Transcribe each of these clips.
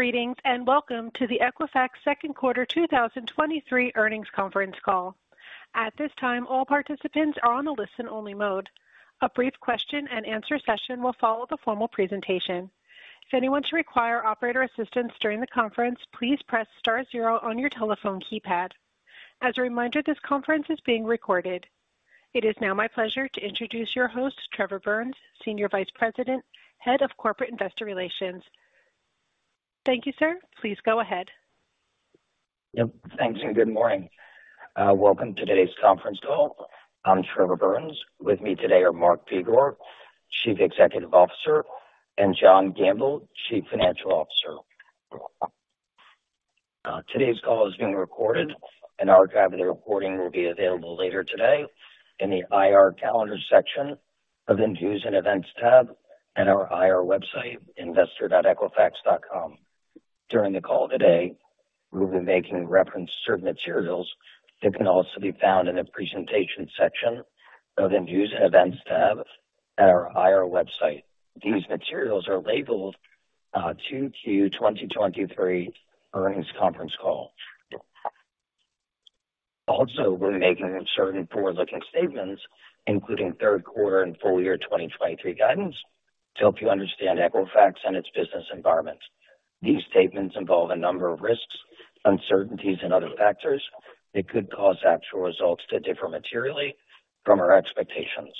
Greetings, welcome to the Equifax second quarter 2023 earnings conference call. At this time, all participants are on a listen-only mode. A brief question and answer session will follow the formal presentation. If anyone should require operator assistance during the conference, please press star zero on your telephone keypad. As a reminder, this conference is being recorded. It is now my pleasure to introduce your host, Trevor Burns, Senior Vice President, Head of Corporate Investor Relations. Thank you, sir. Please go ahead. Yep. Thanks. Good morning. Welcome to today's conference call. I'm Trevor Burns. With me today are Mark Begor, Chief Executive Officer, and John Gamble, Chief Financial Officer. Today's call is being recorded, and archive of the recording will be available later today in the IR Calendar section of the News and Events tab in our IR website, investor.equifax.com. During the call today, we'll be making reference to certain materials that can also be found in the Presentation section of the News and Events tab at our IR website. These materials are labeled, 2Q 2023 earnings conference call. We're making certain forward-looking statements, including third quarter and full year 2023 guidance, to help you understand Equifax and its business environment. These statements involve a number of risks, uncertainties, and other factors that could cause actual results to differ materially from our expectations.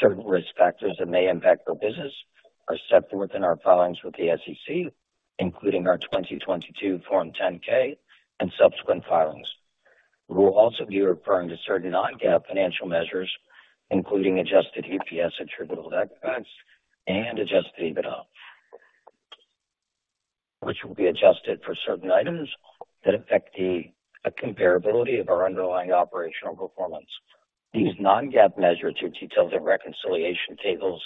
Certain risk factors that may impact our business are set forth in our filings with the SEC, including our 2022 Form 10-K and subsequent filings. We will also be referring to certain non-GAAP financial measures, including Adjusted EPS attributable to Equifax and Adjusted EBITDA, which will be adjusted for certain items that affect the comparability of our underlying operational performance. These non-GAAP measures are detailed in reconciliation tables,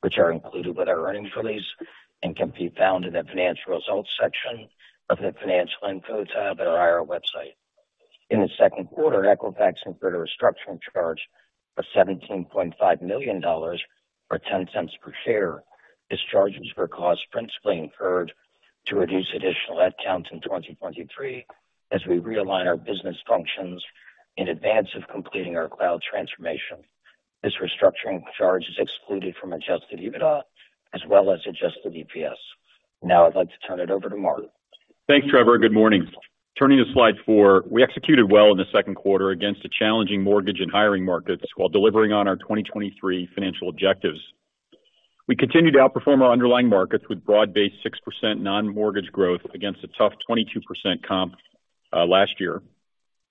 which are included with our earnings release and can be found in the Financial Results section of the Financial Info tab at our IR website. In the second quarter, Equifax incurred a restructuring charge of $17,500,000, or $0.10 per share. This charge was for costs principally incurred to reduce additional headcounts in 2023 as we realign our business functions in advance of completing our cloud transformation. This restructuring charge is excluded from Adjusted EBITDA as well as Adjusted EPS. Now I'd like to turn it over to Mark. Thanks, Trevor. Good morning. Turning to slide 4, we executed well in the second quarter against a challenging mortgage and hiring markets while delivering on our 2023 financial objectives. We continued to outperform our underlying markets with broad-based 6% non-mortgage growth against a tough 22% comp last year.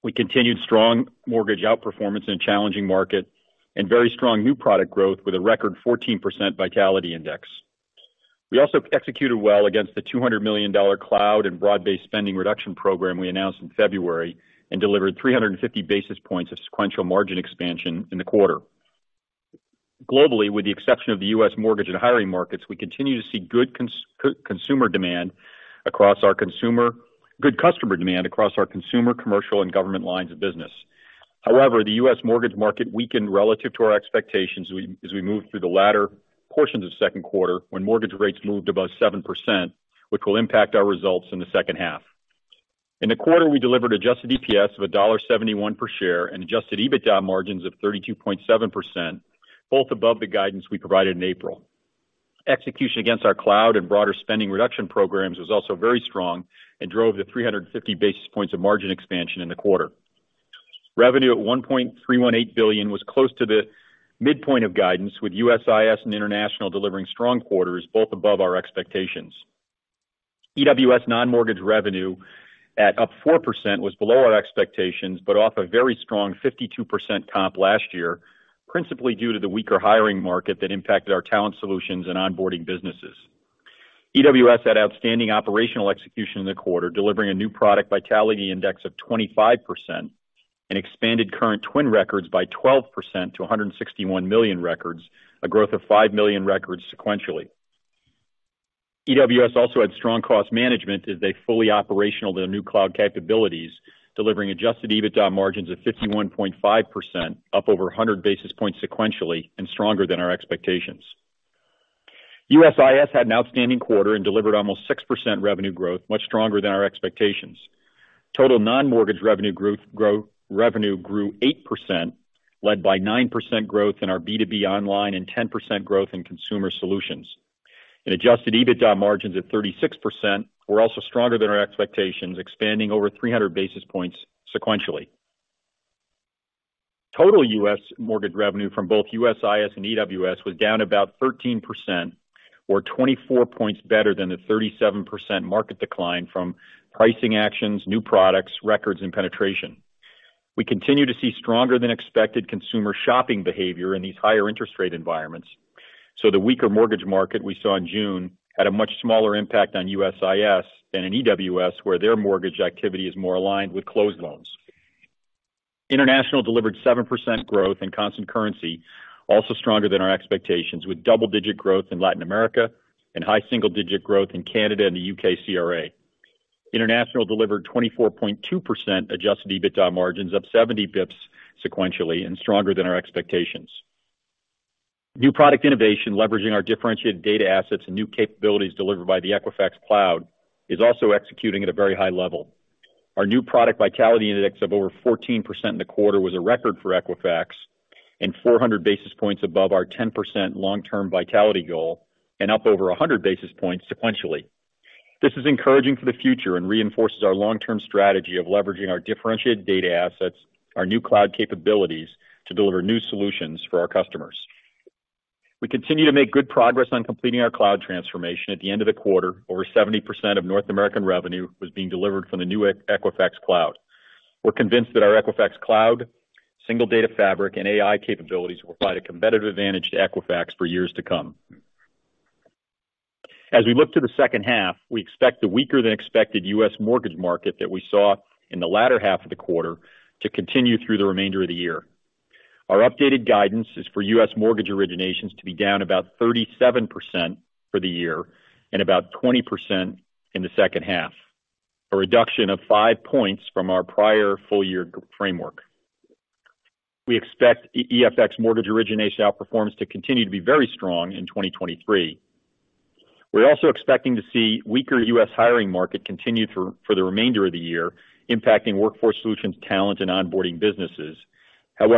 We continued strong mortgage outperformance in a challenging market and very strong new product growth with a record 14% Vitality Index. We also executed well against the $200,000,000 cloud and broad-based spending reduction program we announced in February and delivered 350 basis points of sequential margin expansion in the quarter. Globally, with the exception of the U.S. mortgage and hiring markets, we continue to see good customer demand across our consumer, commercial, and government lines of business. The U.S. mortgage market weakened relative to our expectations as we moved through the latter portions of the second quarter, when mortgage rates moved above 7%, which will impact our results in the second half. In the quarter, we delivered Adjusted EPS of $1.71 per share and Adjusted EBITDA margins of 32.7%, both above the guidance we provided in April. Execution against our cloud and broader spending reduction programs was also very strong and drove the 350 basis points of margin expansion in the quarter. Revenue at $1,318,000,000 was close to the midpoint of guidance, with USIS and international delivering strong quarters, both above our expectations. EWS non-mortgage revenue at up 4% was below our expectations, but off a very strong 52% comp last year, principally due to the weaker hiring market that impacted our talent solutions and onboarding businesses. EWS had outstanding operational execution in the quarter, delivering a new product Vitality Index of 25% and expanded current TWN records by 12% to 161,000,000 records, a growth of 5,000,000 records sequentially. EWS also had strong cost management as they fully operational their new cloud capabilities, delivering Adjusted EBITDA margins of 51.5%, up over 100 basis points sequentially and stronger than our expectations. USIS had an outstanding quarter and delivered almost 6% revenue growth, much stronger than our expectations. Total non-mortgage revenue growth, revenue grew 8%, led by 9% growth in our B2B online and 10% growth in Consumer Solutions. Adjusted EBITDA margins of 36% were also stronger than our expectations, expanding over 300 basis points sequentially. Total U.S. mortgage revenue from both USIS and EWS was down about 13% or 24 points better than the 37% market decline from pricing actions, new products, records, and penetration. We continue to see stronger than expected consumer shopping behavior in these higher interest rate environments, so the weaker mortgage market we saw in June had a much smaller impact on USIS than in EWS, where their mortgage activity is more aligned with closed loans. International delivered 7% growth in constant currency, also stronger than our expectations, with double-digit growth in Latin America and high single-digit growth in Canada and the U.K. CRA. International delivered 24.2% Adjusted EBITDA margins, up 70 bips sequentially and stronger than our expectations. New product innovation, leveraging our differentiated data assets and new capabilities delivered by the Equifax Cloud, is also executing at a very high level. Our new product Vitality Index of over 14% in the quarter was a record for Equifax, and 400 basis points above our 10% long-term vitality goal, and up over 100 basis points sequentially. This is encouraging for the future and reinforces our long-term strategy of leveraging our differentiated data assets, our new cloud capabilities, to deliver new solutions for our customers. We continue to make good progress on completing our cloud transformation. At the end of the quarter, over 70% of North American revenue was being delivered from the new Equifax Cloud. We're convinced that our Equifax Cloud, single data fabric, and AI capabilities will provide a competitive advantage to Equifax for years to come. As we look to the second half, we expect the weaker than expected U.S. mortgage market that we saw in the latter half of the quarter to continue through the remainder of the year. Our updated guidance is for U.S. mortgage originations to be down about 37% for the year and about 20% in the second half, a reduction of five points from our prior full year framework. We expect EFX mortgage origination outperformance to continue to be very strong in 2023. We're also expecting to see weaker U.S. hiring market continue for the remainder of the year, impacting Workforce Solutions, talent, and onboarding businesses.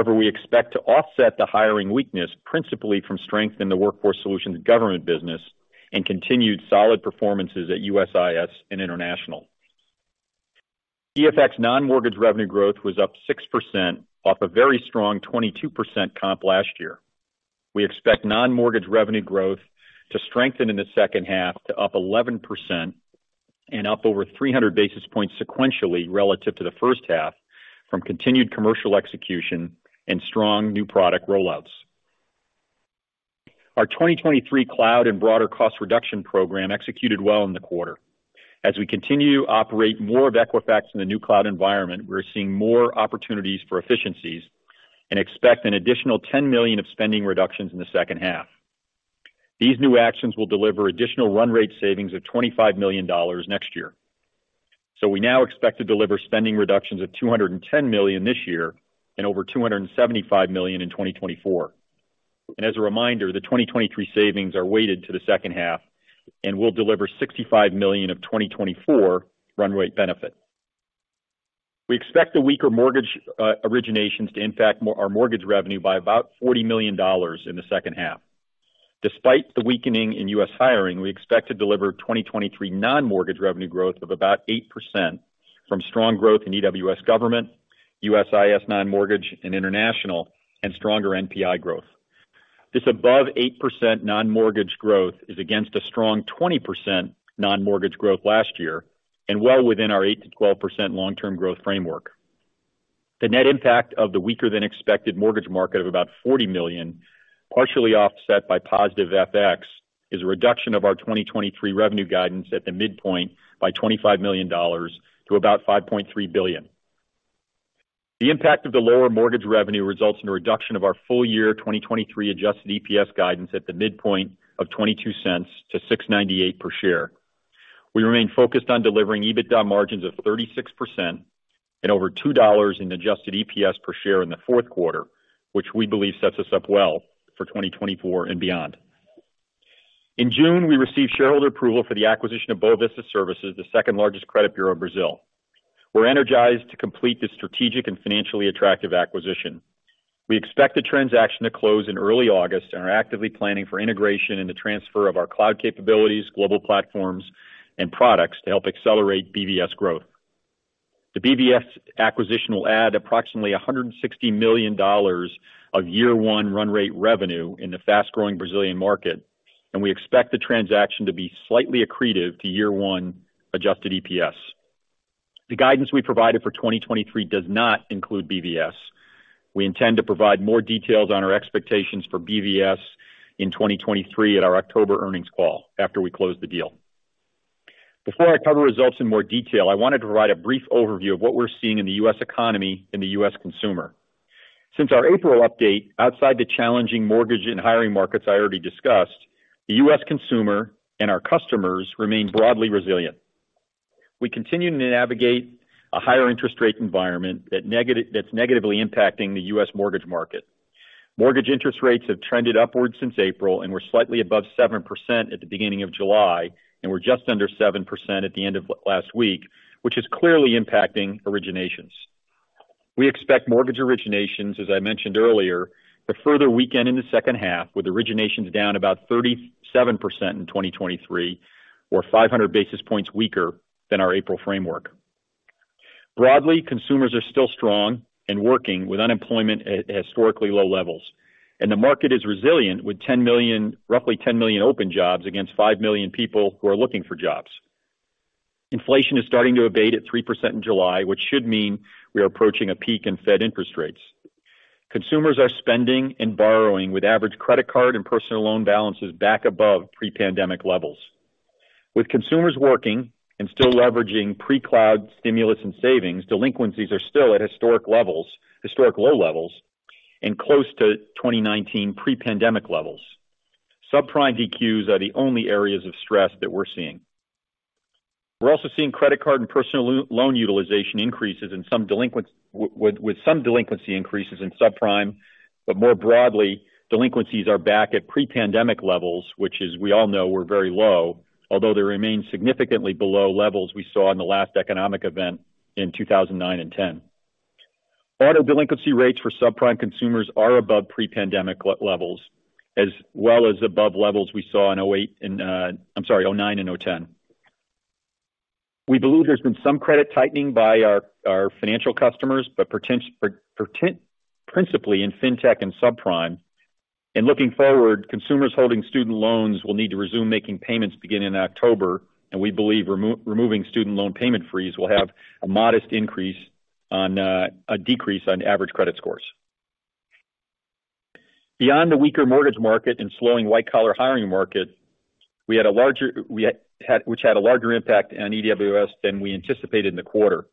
We expect to offset the hiring weakness, principally from strength in the Workforce Solutions government business, and continued solid performances at USIS and International. EFX non-mortgage revenue growth was up 6% off a very strong 22% comp last year. We expect non-mortgage revenue growth to strengthen in the second half to up 11% and up over 300 basis points sequentially relative to the first half, from continued commercial execution and strong new product rollouts. Our 2023 Cloud and broader cost reduction program executed well in the quarter. We continue to operate more of Equifax in the new Cloud environment, we're seeing more opportunities for efficiencies and expect an additional $10,000,000 of spending reductions in the second half. These new actions will deliver additional run rate savings of $25,000,000 next year. We now expect to deliver spending reductions of $210,000,000 this year and over $275,000,000 in 2024. As a reminder, the 2023 savings are weighted to the second half and will deliver $65,000,000 of 2024 run rate benefit. We expect the weaker mortgage originations to impact our mortgage revenue by about $40,000,000 in the second half. Despite the weakening in U.S. hiring, we expect to deliver 2023 non-mortgage revenue growth of about 8% from strong growth in EWS government, USIS non-mortgage and international, and stronger NPI growth. This above 8% non-mortgage growth is against a strong 20% non-mortgage growth last year and well within our 8%-12% long-term growth framework. The net impact of the weaker than expected mortgage market of about $40,000,000, partially offset by positive FX, is a reduction of our 2023 revenue guidance at the midpoint by $25,000,000 to about $5,300,000,000. The impact of the lower mortgage revenue results in a reduction of our full year 2023 Adjusted EPS guidance at the midpoint of $0.22 to $6.98 per share. We remain focused on delivering EBITDA margins of 36% and over $2 in Adjusted EPS per share in the fourth quarter, which we believe sets us up well for 2024 and beyond. In June, we received shareholder approval for the acquisition of Boa Vista Serviços, the second largest credit bureau in Brazil. We're energized to complete this strategic and financially attractive acquisition. We expect the transaction to close in early August and are actively planning for integration and the transfer of our cloud capabilities, global platforms, and products to help accelerate BVS growth. The BVS acquisition will add approximately $160,000,000 of year one run rate revenue in the fast-growing Brazilian market. We expect the transaction to be slightly accretive to year one Adjusted EPS. The guidance we provided for 2023 does not include BVS. We intend to provide more details on our expectations for BVS in 2023 at our October earnings call after we close the deal. Before I cover results in more detail, I wanted to provide a brief overview of what we're seeing in the U.S. economy and the U.S. consumer. Since our April update, outside the challenging mortgage and hiring markets I already discussed, the U.S. consumer and our customers remain broadly resilient. We continue to navigate a higher interest rate environment that's negatively impacting the U.S. mortgage market. Mortgage interest rates have trended upwards since April and were slightly above 7% at the beginning of July, and were just under 7% at the end of last week, which is clearly impacting originations. We expect mortgage originations, as I mentioned earlier, to further weaken in the second half, with originations down about 37% in 2023, or 500 basis points weaker than our April framework. Broadly, consumers are still strong and working with unemployment at historically low levels, and the market is resilient, with roughly 10,000,000 open jobs against 5,000,000 people who are looking for jobs. Inflation is starting to abate at 3% in July, which should mean we are approaching a peak in Fed interest rates. Consumers are spending and borrowing with average credit card and personal loan balances back above pre-pandemic levels. With consumers working and still leveraging pre-COVID stimulus and savings, delinquencies are still at historic levels, historic low levels and close to 2019 pre-pandemic levels. Subprime DQs are the only areas of stress that we're seeing. We're also seeing credit card and personal loan utilization increases in some delinquent, with some delinquency increases in subprime. More broadly, delinquencies are back at pre-pandemic levels, which as we all know, were very low, although they remain significantly below levels we saw in the last economic event in 2009 and 2010. Auto delinquency rates for subprime consumers are above pre-pandemic levels, as well as above levels we saw in 2008 and, I'm sorry, 2009and 2010. We believe there's been some credit tightening by our financial customers, principally in fintech and subprime. Looking forward, consumers holding student loans will need to resume making payments beginning in October, and we believe removing student loan payment freeze will have a modest increase on a decrease on average credit scores. Beyond the weaker mortgage market and slowing white-collar hiring market, which had a larger impact on EWS than we anticipated in the quarter.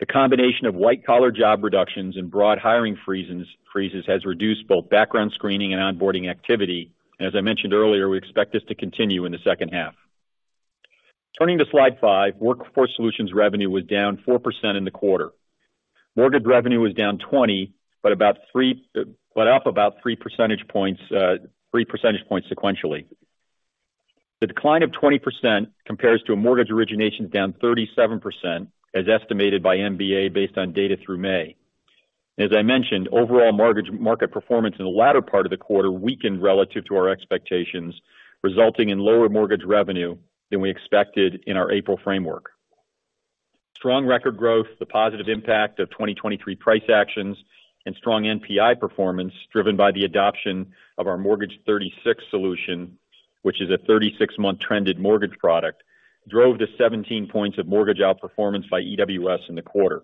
The combination of white-collar job reductions and broad hiring freezes has reduced both background screening and onboarding activity. As I mentioned earlier, we expect this to continue in the second half. Turning to slide 5, Workforce Solutions revenue was down 4% in the quarter. Mortgage revenue was down 20, but up about 3 percentage points sequentially. The decline of 20% compares to a mortgage origination down 37%, as estimated by MBA, based on data through May. As I mentioned, overall mortgage market performance in the latter part of the quarter weakened relative to our expectations, resulting in lower mortgage revenue than we expected in our April framework. Strong record growth, the positive impact of 2023 price actions, and strong NPI performance, driven by the adoption of our Mortgage36 solution, which is a 36-month trended mortgage product, drove the 17 points of mortgage outperformance by EWS in the quarter.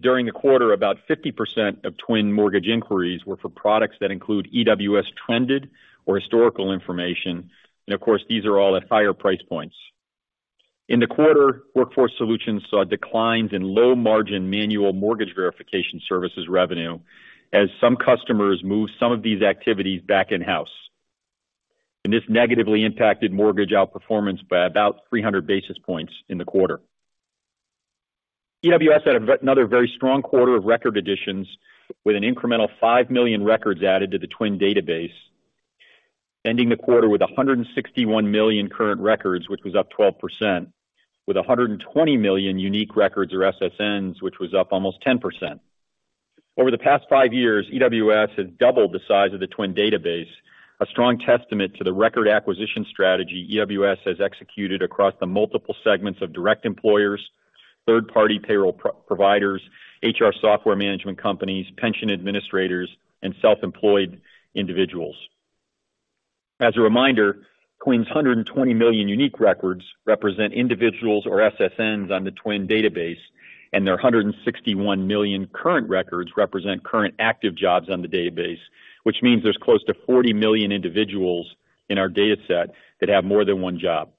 During the quarter, about 50% of TWN mortgage inquiries were for products that include EWS trended or historical information, and of course, these are all at higher price points. In the quarter, Workforce Solutions saw declines in low margin manual mortgage verification services revenue, as some customers moved some of these activities back in-house. This negatively impacted mortgage outperformance by about 300 basis points in the quarter. EWS had another very strong quarter of record additions, with an incremental 5,000,000 records added to the TWN database, ending the quarter with 161,000,000 current records, which was up 12%, with 120,000,000 unique records or SSNs, which was up almost 10%. Over the past 5 years, EWS has doubled the size of the TWN database, a strong testament to the record acquisition strategy EWS has executed across the multiple segments of direct employers, third-party payroll providers, HR software management companies, pension administrators, and self-employed individuals. As a reminder, TWN's 120,000,000 unique records represent individuals or SSNs on the TWN database, and their 161,000,000 current records represent current active jobs on the database, which means there's close to 40,000,000 individuals in our data set that have more than one job.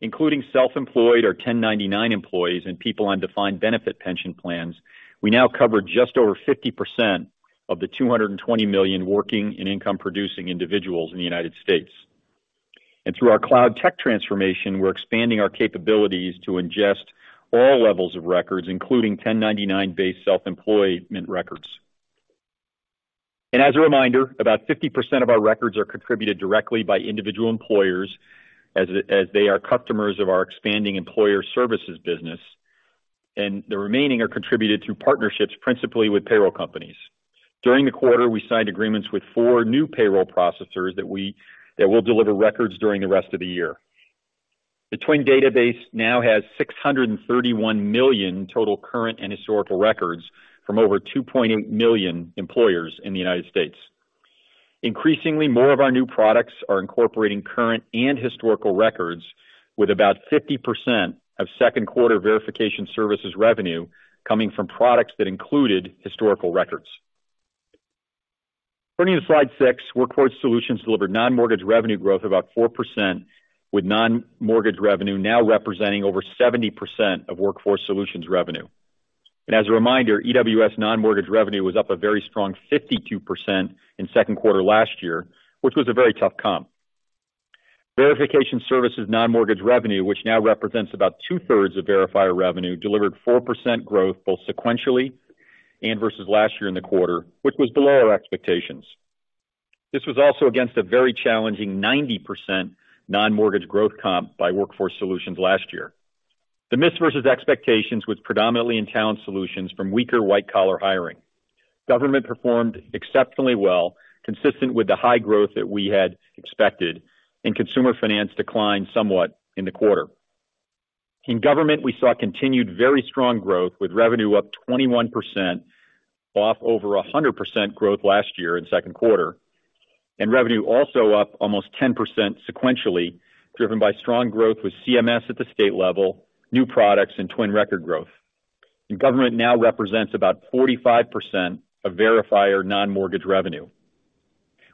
Including self-employed or 1099 employees and people on defined benefit pension plans, we now cover just over 50% of the 220,000,00 working and income-producing individuals in the United States. Through our cloud tech transformation, we're expanding our capabilities to ingest all levels of records, including 1099-based self-employment records. As a reminder, about 50% of our records are contributed directly by individual employers as they are customers of our expanding employer services business, and the remaining are contributed through partnerships, principally with payroll companies. During the quarter, we signed agreements with four new payroll processors that will deliver records during the rest of the year. The TWN database now has 631,000,000 total current and historical records from over 2,800,000 employers in the United States. Increasingly, more of our new products are incorporating current and historical records, with about 50% of second quarter verification services revenue coming from products that included historical records. Turning to slide 6, Workforce Solutions delivered non-mortgage revenue growth of about 4%, with non-mortgage revenue now representing over 70% of Workforce Solutions revenue. As a reminder, EWS non-mortgage revenue was up a very strong 52% in second quarter last year, which was a very tough comp. Verification services non-mortgage revenue, which now represents about two-thirds of verifier revenue, delivered 4% growth, both sequentially and versus last year in the quarter, which was below our expectations. This was also against a very challenging 90% non-mortgage growth comp by Workforce Solutions last year. The miss versus expectations was predominantly in talent solutions from weaker white-collar hiring. Government performed exceptionally well, consistent with the high growth that we had expected, and consumer finance declined somewhat in the quarter. In government, we saw continued very strong growth, with revenue up 21%, off over 100% growth last year in second quarter, and revenue also up almost 10% sequentially, driven by strong growth with CMS at the state level, new products, and TWN record growth. The government now represents about 45% of verifier non-mortgage revenue.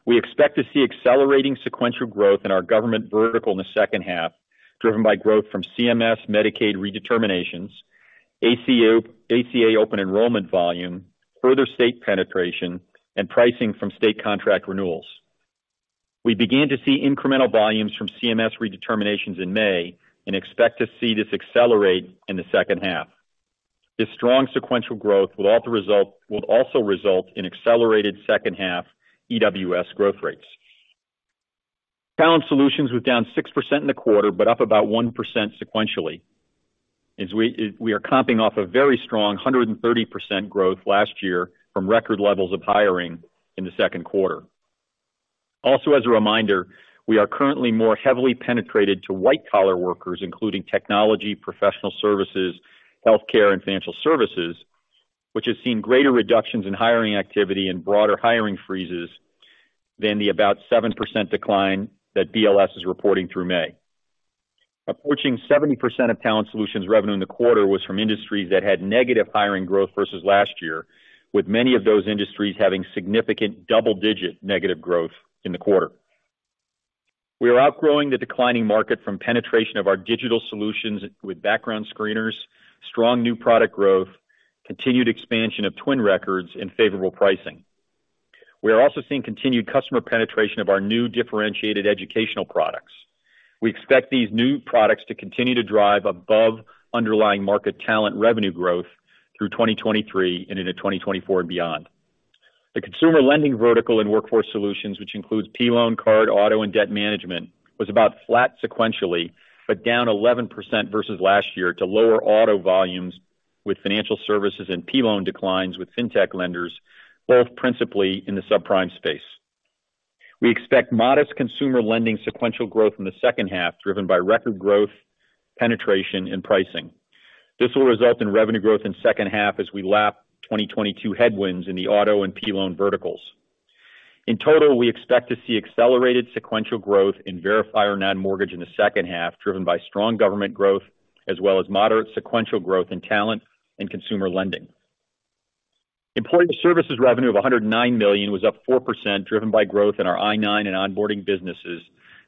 We expect to see accelerating sequential growth in our government vertical in the second half, driven by growth from CMS Medicaid redeterminations, ACA open enrollment volume, further state penetration, and pricing from state contract renewals. We began to see incremental volumes from CMS redeterminations in May and expect to see this accelerate in the second half. This strong sequential growth will also result in accelerated second half EWS growth rates. Talent Solutions was down 6% in the quarter, but up about 1% sequentially. As we are comping off a very strong 130% growth last year from record levels of hiring in the second quarter. As a reminder, we are currently more heavily penetrated to white-collar workers, including technology, professional services, healthcare, and financial services, which has seen greater reductions in hiring activity and broader hiring freezes than the about 7% decline that BLS is reporting through May. Approaching 70% of talent solutions revenue in the quarter was from industries that had negative hiring growth versus last year, with many of those industries having significant double-digit negative growth in the quarter. We are outgrowing the declining market from penetration of our digital solutions with background screeners, strong new product growth, continued expansion of TWN records and favorable pricing. We are also seeing continued customer penetration of our new differentiated educational products. We expect these new products to continue to drive above underlying market talent revenue growth through 2023 and into 2024 and beyond. The consumer lending vertical in Workforce Solutions, which includes P-Loan, card, auto, and debt management, was about flat sequentially, but down 11% versus last year to lower auto volumes with financial services and P-Loan declines with Fintech lenders, both principally in the subprime space. We expect modest consumer lending sequential growth in the second half, driven by record growth, penetration, and pricing. This will result in revenue growth in second half as we lap 2022 headwinds in the auto and P-Loan verticals. In total, we expect to see accelerated sequential growth in verifier non-mortgage in the second half, driven by strong government growth, as well as moderate sequential growth in talent and consumer lending. Employee services revenue of $109,000,000 was up 4%, driven by growth in our I-9 and onboarding businesses,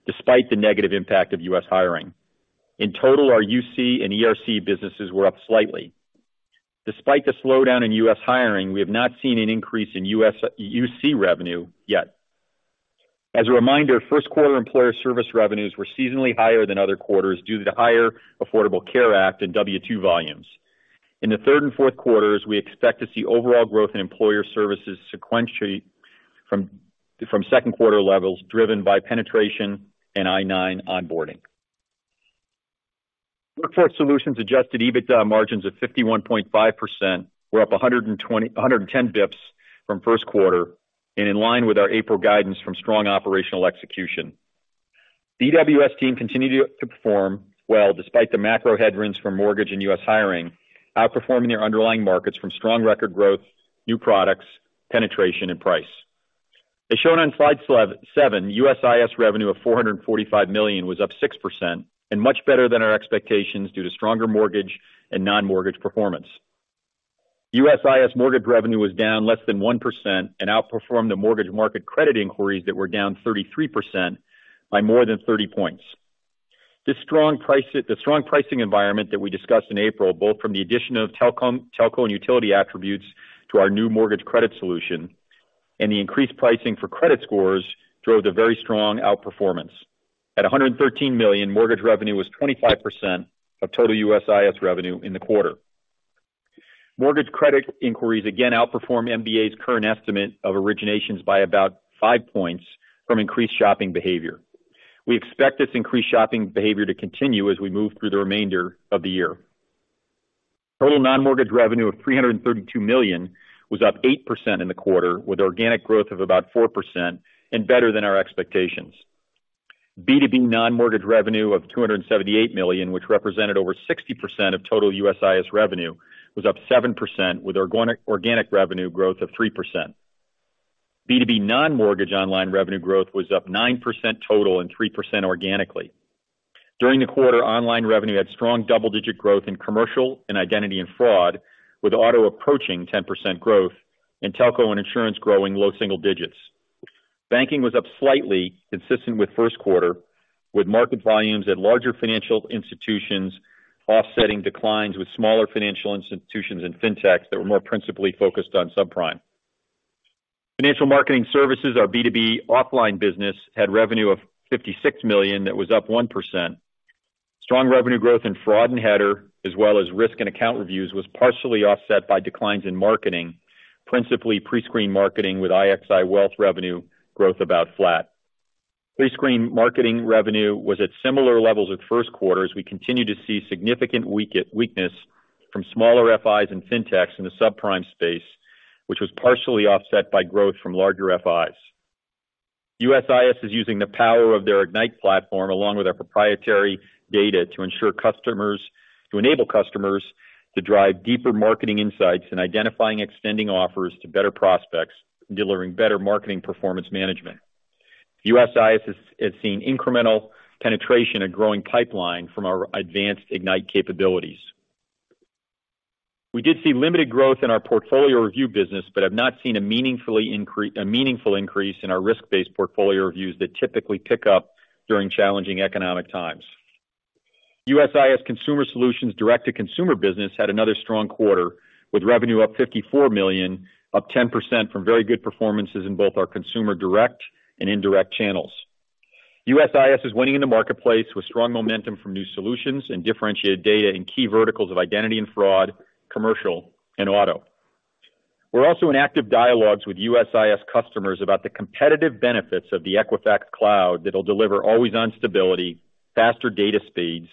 despite the negative impact of U.S. hiring. In total, our UC and ERC businesses were up slightly. Despite the slowdown in U.S. hiring, we have not seen an increase in UC revenue yet. As a reminder, first quarter employer service revenues were seasonally higher than other quarters due to the higher Affordable Care Act and W-2 volumes. In the third and fourth quarters, we expect to see overall growth in employer services sequentially from second quarter levels, driven by penetration and I-9 onboarding. Workforce Solutions Adjusted EBITDA margins of 51.5% were up 110 basis points from first quarter and in line with our April guidance from strong operational execution. The EWS team continued to perform well despite the macro headwinds from mortgage and U.S. hiring, outperforming their underlying markets from strong record growth, new products, penetration and price. As shown on slide seven, USIS revenue of $445,000,000 was up 6% and much better than our expectations due to stronger mortgage and non-mortgage performance. USIS mortgage revenue was down less than 1% and outperformed the mortgage market credit inquiries that were down 33% by more than 30 points. The strong pricing environment that we discussed in April, both from the addition of telecom, telco and utility attributes to our new mortgage credit solution, and the increased pricing for credit scores drove the very strong outperformance. At $113,000,000, mortgage revenue was 25% of total USIS revenue in the quarter. Mortgage credit inquiries again outperformed MBA's current estimate of originations by about 5 points from increased shopping behavior. We expect this increased shopping behavior to continue as we move through the remainder of the year. Total non-mortgage revenue of $332,000,000 was up 8% in the quarter, with organic growth of about 4% and better than our expectations. B2B non-mortgage revenue of $278,000,000, which represented over 60% of total USIS revenue, was up 7%, with organic revenue growth of 3%. B2B non-mortgage online revenue growth was up 9% total and 3% organically. During the quarter, online revenue had strong double-digit growth in commercial and identity and fraud, with auto approaching 10% growth and telco and insurance growing low single digits. Banking was up slightly, consistent with first quarter, with market volumes at larger financial institutions offsetting declines with smaller financial institutions and Fintechs that were more principally focused on subprime. Financial Marketing Services, our B2B offline business, had revenue of $56,000,000, that was up 1%. Strong revenue growth in fraud and header, as well as risk and account reviews, was partially offset by declines in marketing, principally prescreen marketing, with IXI Wealth revenue growth about flat. Prescreen marketing revenue was at similar levels with first quarter, as we continue to see significant weakness from smaller FIs and Fintechs in the subprime space, which was partially offset by growth from larger FIs. USIS is using the power of their Ignite platform, along with our proprietary data, to enable customers to drive deeper marketing insights and identifying extending offers to better prospects, delivering better marketing performance management. USIS is seeing incremental penetration and growing pipeline from our advanced Ignite capabilities. We did see limited growth in our portfolio review business, have not seen a meaningful increase in our risk-based portfolio reviews that typically pick up during challenging economic times. USIS Consumer Solutions direct-to-consumer business had another strong quarter, with revenue up $54,000,000, up 10% from very good performances in both our consumer direct and indirect channels. USIS is winning in the marketplace with strong momentum from new solutions and differentiated data in key verticals of identity and fraud, commercial and auto. We're also in active dialogues with USIS customers about the competitive benefits of the Equifax Cloud that will deliver always-on stability, faster data speeds,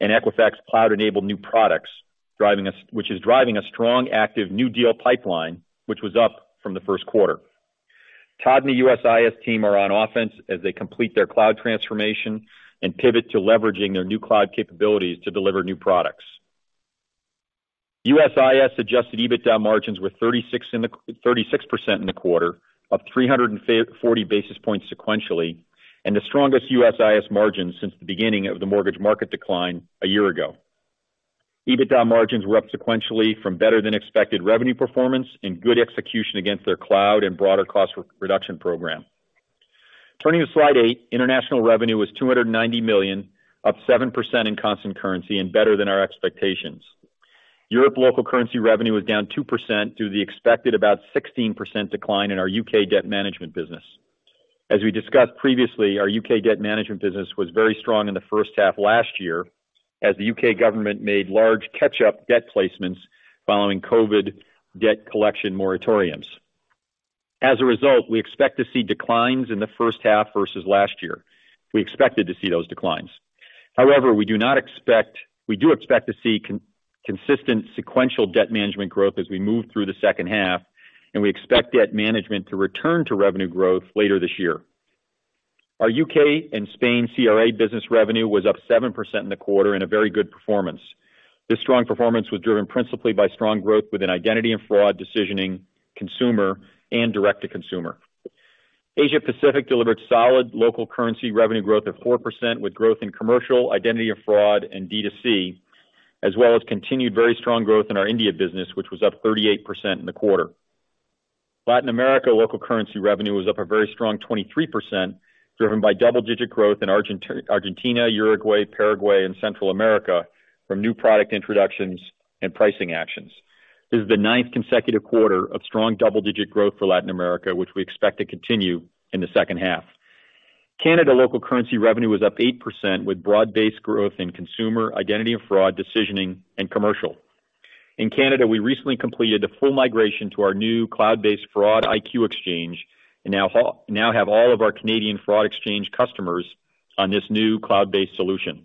and Equifax Cloud-enabled new products, which is driving a strong, active new deal pipeline, which was up from the first quarter. Todd and the USIS team are on offense as they complete their cloud transformation and pivot to leveraging their new cloud capabilities to deliver new products. USIS Adjusted EBITDA margins were 36% in the quarter, up 340 basis points sequentially, and the strongest USIS margins since the beginning of the mortgage market decline a year ago. EBITDA margins were up sequentially from better-than-expected revenue performance and good execution against their cloud and broader cost reduction program. Turning to slide 8. International revenue was $290,000,000, up 7% in constant currency and better than our expectations. Europe local currency revenue was down 2% due to the expected about 16% decline in our UK debt management business. As we discussed previously, our U.K. debt management business was very strong in the first half last year, as the U.K. government made large catch-up debt placements following COVID debt collection moratoriums. As a result, we expect to see declines in the first half versus last year. We expected to see those declines. However, we do expect to see consistent sequential debt management growth as we move through the second half, and we expect debt management to return to revenue growth later this year. Our U.K. and Spain CRA business revenue was up 7% in the quarter in a very good performance. This strong performance was driven principally by strong growth within identity and fraud, decisioning, consumer, and direct-to-consumer. Asia Pacific delivered solid local currency revenue growth of 4%, with growth in commercial, identity and fraud, and D2C, as well as continued very strong growth in our India business, which was up 38% in the quarter. Latin America local currency revenue was up a very strong 23%, driven by double-digit growth in Argentina, Uruguay, Paraguay, and Central America from new product introductions and pricing actions. This is the ninth consecutive quarter of strong double-digit growth for Latin America, which we expect to continue in the second half. Canada local currency revenue was up 8%, with broad-based growth in consumer, identity and fraud, decisioning, and commercial. In Canada, we recently completed the full migration to our new cloud-based FraudIQ Exchange and now have all of our Canadian fraud exchange customers on this new cloud-based solution.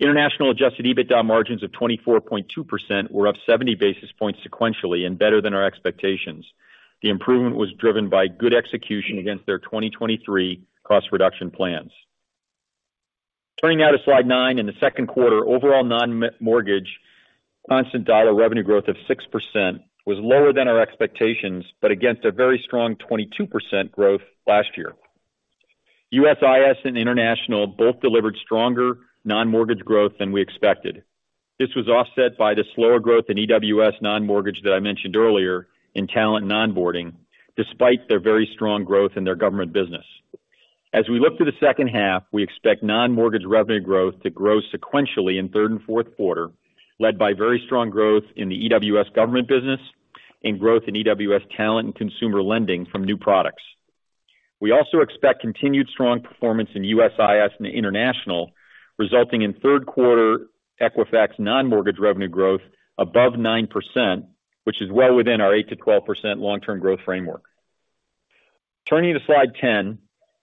International Adjusted EBITDA margins of 24.2% were up 70 basis points sequentially and better than our expectations. The improvement was driven by good execution against their 2023 cost reduction plans. Turning now to slide 9. In the second quarter, overall non-mortgage constant dollar revenue growth of 6% was lower than our expectations, but against a very strong 22% growth last year. USIS and International both delivered stronger non-mortgage growth than we expected. This was offset by the slower growth in EWS non-mortgage that I mentioned earlier in talent and onboarding, despite their very strong growth in their government business. As we look to the second half, we expect non-mortgage revenue growth to grow sequentially in third and fourth quarter, led by very strong growth in the EWS government business and growth in EWS talent and consumer lending from new products. We also expect continued strong performance in USIS and International, resulting in third quarter Equifax non-mortgage revenue growth above 9%, which is well within our 8%-12% long-term growth framework. Turning to slide 10.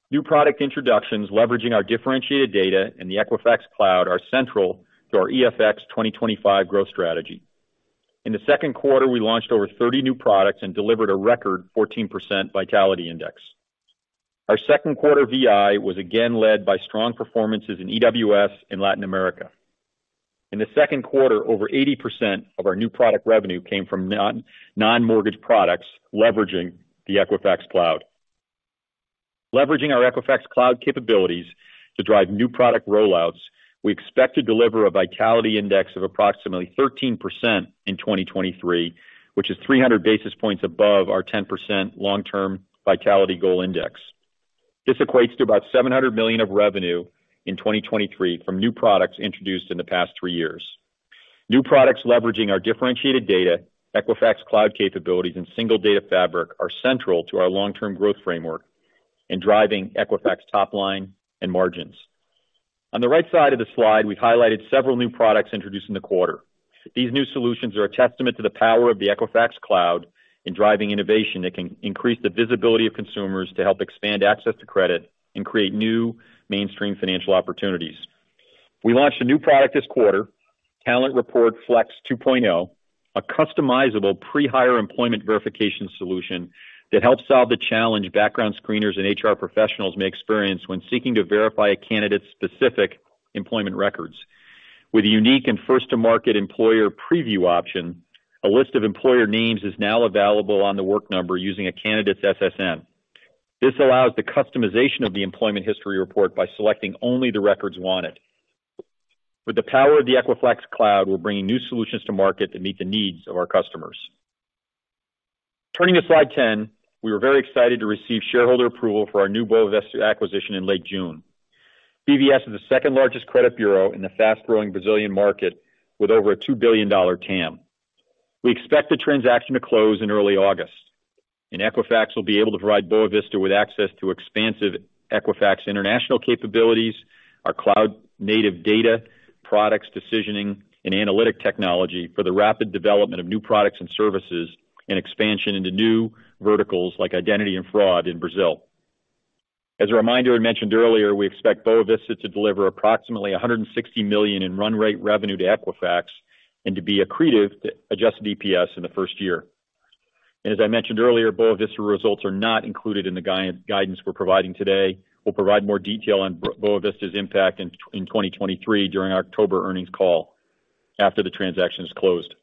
New product introductions, leveraging our differentiated data and the Equifax Cloud, are central to our EFX 2025 growth strategy. In the second quarter, we launched over 30 new products and delivered a record 14% Vitality Index. Our second quarter VI was again led by strong performances in EWS in Latin America. In the second quarter, over 80% of our new product revenue came from non-mortgage products leveraging the Equifax Cloud. Leveraging our Equifax Cloud capabilities to drive new product rollouts, we expect to deliver a Vitality Index of approximately 13% in 2023, which is 300 basis points above our 10% long-term Vitality Index goal index. This equates to about $700,000,000 of revenue in 2023 from new products introduced in the past 3 years. New products leveraging our differentiated data, Equifax Cloud capabilities, and single data fabric are central to our long-term growth framework in driving Equifax top line and margins. On the right side of the slide, we've highlighted several new products introduced in the quarter. These new solutions are a testament to the power of the Equifax Cloud in driving innovation that can increase the visibility of consumers to help expand access to credit and create new mainstream financial opportunities. We launched a new product this quarter, Talent Report Flex 2.0, a customizable pre-hire employment verification solution that helps solve the challenge background screeners and HR professionals may experience when seeking to verify a candidate's specific employment records. With a unique and first-to-market employer preview option, a list of employer names is now available on The Work Number using a candidate's SSN. This allows the customization of the employment history report by selecting only the records wanted. With the power of the Equifax Cloud, we're bringing new solutions to market that meet the needs of our customers. Turning to slide 10, we were very excited to receive shareholder approval for our new Boa Vista acquisition in late June. BVS is the second largest credit bureau in the fast-growing Brazilian market, with over a $2,000,000,000 TAM. We expect the transaction to close in early August, and Equifax will be able to provide Boa Vista with access to expansive Equifax international capabilities, our cloud-native data, products, decisioning, and analytic technology for the rapid development of new products and services and expansion into new verticals like identity and fraud in Brazil. As a reminder, I mentioned earlier, we expect Boa Vista to deliver approximately $160,000,000 in run rate revenue to Equifax and to be accretive to Adjusted EPS in the first year. As I mentioned earlier, Boa Vista results are not included in the guidance we're providing today. We'll provide more detail on Boa Vista's impact in 2023 during our October earnings call after the transaction is closed.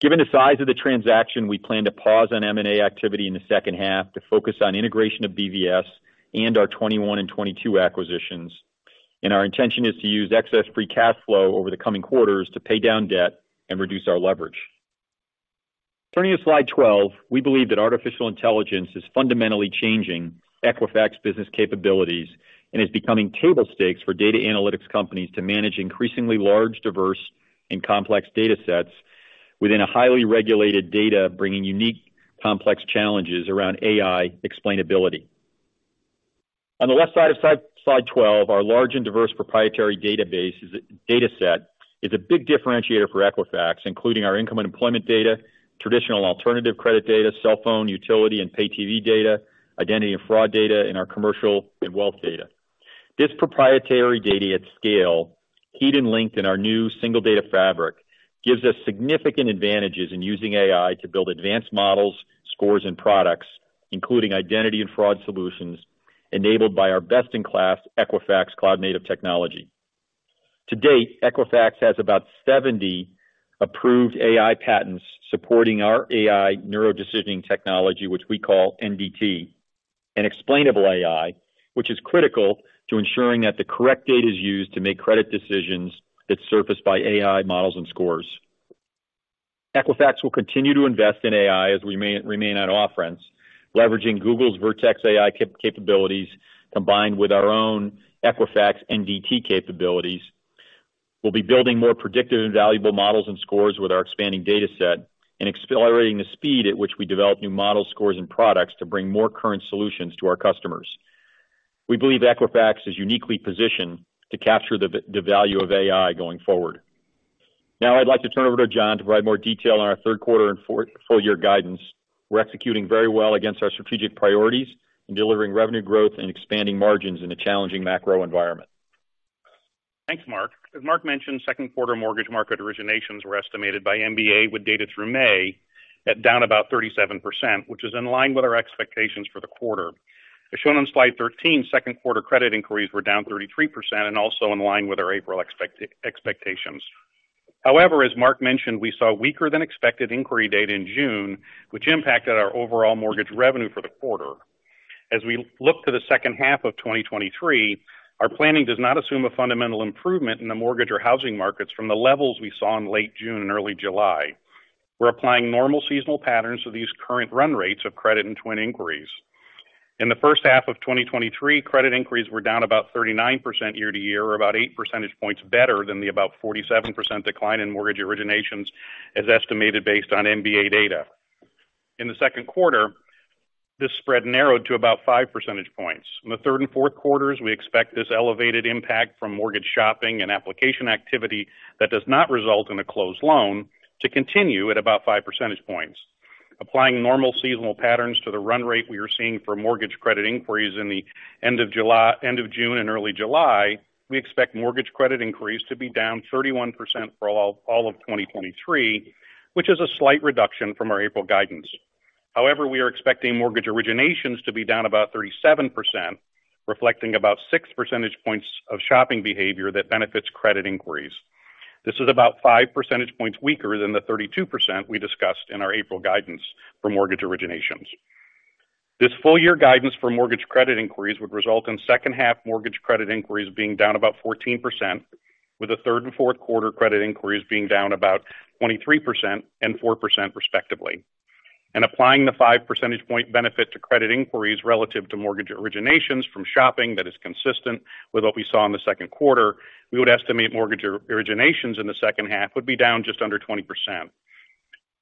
Given the size of the transaction, we plan to pause on M&A activity in the second half to focus on integration of BVS and our 2021 and 2022 acquisitions. Our intention is to use excess free cash flow over the coming quarters to pay down debt and reduce our leverage. Turning to slide 12, we believe that artificial intelligence is fundamentally changing Equifax business capabilities and is becoming table stakes for data analytics companies to manage increasingly large, diverse and complex data sets within a highly regulated data, bringing unique complex challenges around AI explainability. On the left side of slide 12, our large and diverse proprietary data set is a big differentiator for Equifax, including our income and employment data, traditional alternative credit data, cell phone, utility and pay TV data, identity and fraud data, and our commercial and wealth data. This proprietary data at scale, keyed and linked in our new single data fabric, gives us significant advantages in using AI to build advanced models, scores and products, including identity and fraud solutions, enabled by our best-in-class Equifax cloud-native technology. To date, Equifax has about 70 approved AI patents supporting our AI neuro-decisioning technology, which we call NDT, an explainable AI, which is critical to ensuring that the correct data is used to make credit decisions that's surfaced by AI models and scores. Equifax will continue to invest in AI as we remain on all fronts, leveraging Google's Vertex AI capabilities, combined with our own Equifax NDT capabilities. We'll be building more predictive and valuable models and scores with our expanding data set and accelerating the speed at which we develop new model scores and products to bring more current solutions to our customers. We believe Equifax is uniquely positioned to capture the value of AI going forward. I'd like to turn it over to John to provide more detail on our third quarter and full year guidance. We're executing very well against our strategic priorities and delivering revenue growth and expanding margins in a challenging macro environment. Thanks, Mark. As Mark mentioned, second quarter mortgage market originations were estimated by MBA, with data through May, at down about 37%, which is in line with our expectations for the quarter. As shown on slide 13, second quarter credit inquiries were down 33% and also in line with our April expectations. As Mark mentioned, we saw weaker than expected inquiry data in June, which impacted our overall mortgage revenue for the quarter. As we look to the second half of 2023, our planning does not assume a fundamental improvement in the mortgage or housing markets from the levels we saw in late June and early July. We're applying normal seasonal patterns to these current run rates of credit and TWN inquiries. In the first half of 2023, credit inquiries were down about 39% year-over-year, or about 8 percentage points better than the about 47% decline in mortgage originations, as estimated based on MBA data. In the second quarter, this spread narrowed to about 5 percentage points. In the third and fourth quarters, we expect this elevated impact from mortgage shopping and application activity that does not result in a closed loan to continue at about 5 percentage points. Applying normal seasonal patterns to the run rate we are seeing for mortgage credit inquiries in the end of June and early July, we expect mortgage credit inquiries to be down 31% for all of 2023, which is a slight reduction from our April guidance. We are expecting mortgage originations to be down about 37%, reflecting about six percentage points of shopping behavior that benefits credit inquiries. This is about five percentage points weaker than the 32% we discussed in our April guidance for mortgage originations. This full year guidance for mortgage credit inquiries would result in second half mortgage credit inquiries being down about 14%, with the third and fourth quarter credit inquiries being down about 23% and 4% respectively. Applying the five percentage point benefit to credit inquiries relative to mortgage originations from shopping that is consistent with what we saw in the second quarter, we would estimate mortgage originations in the second half would be down just under 20%.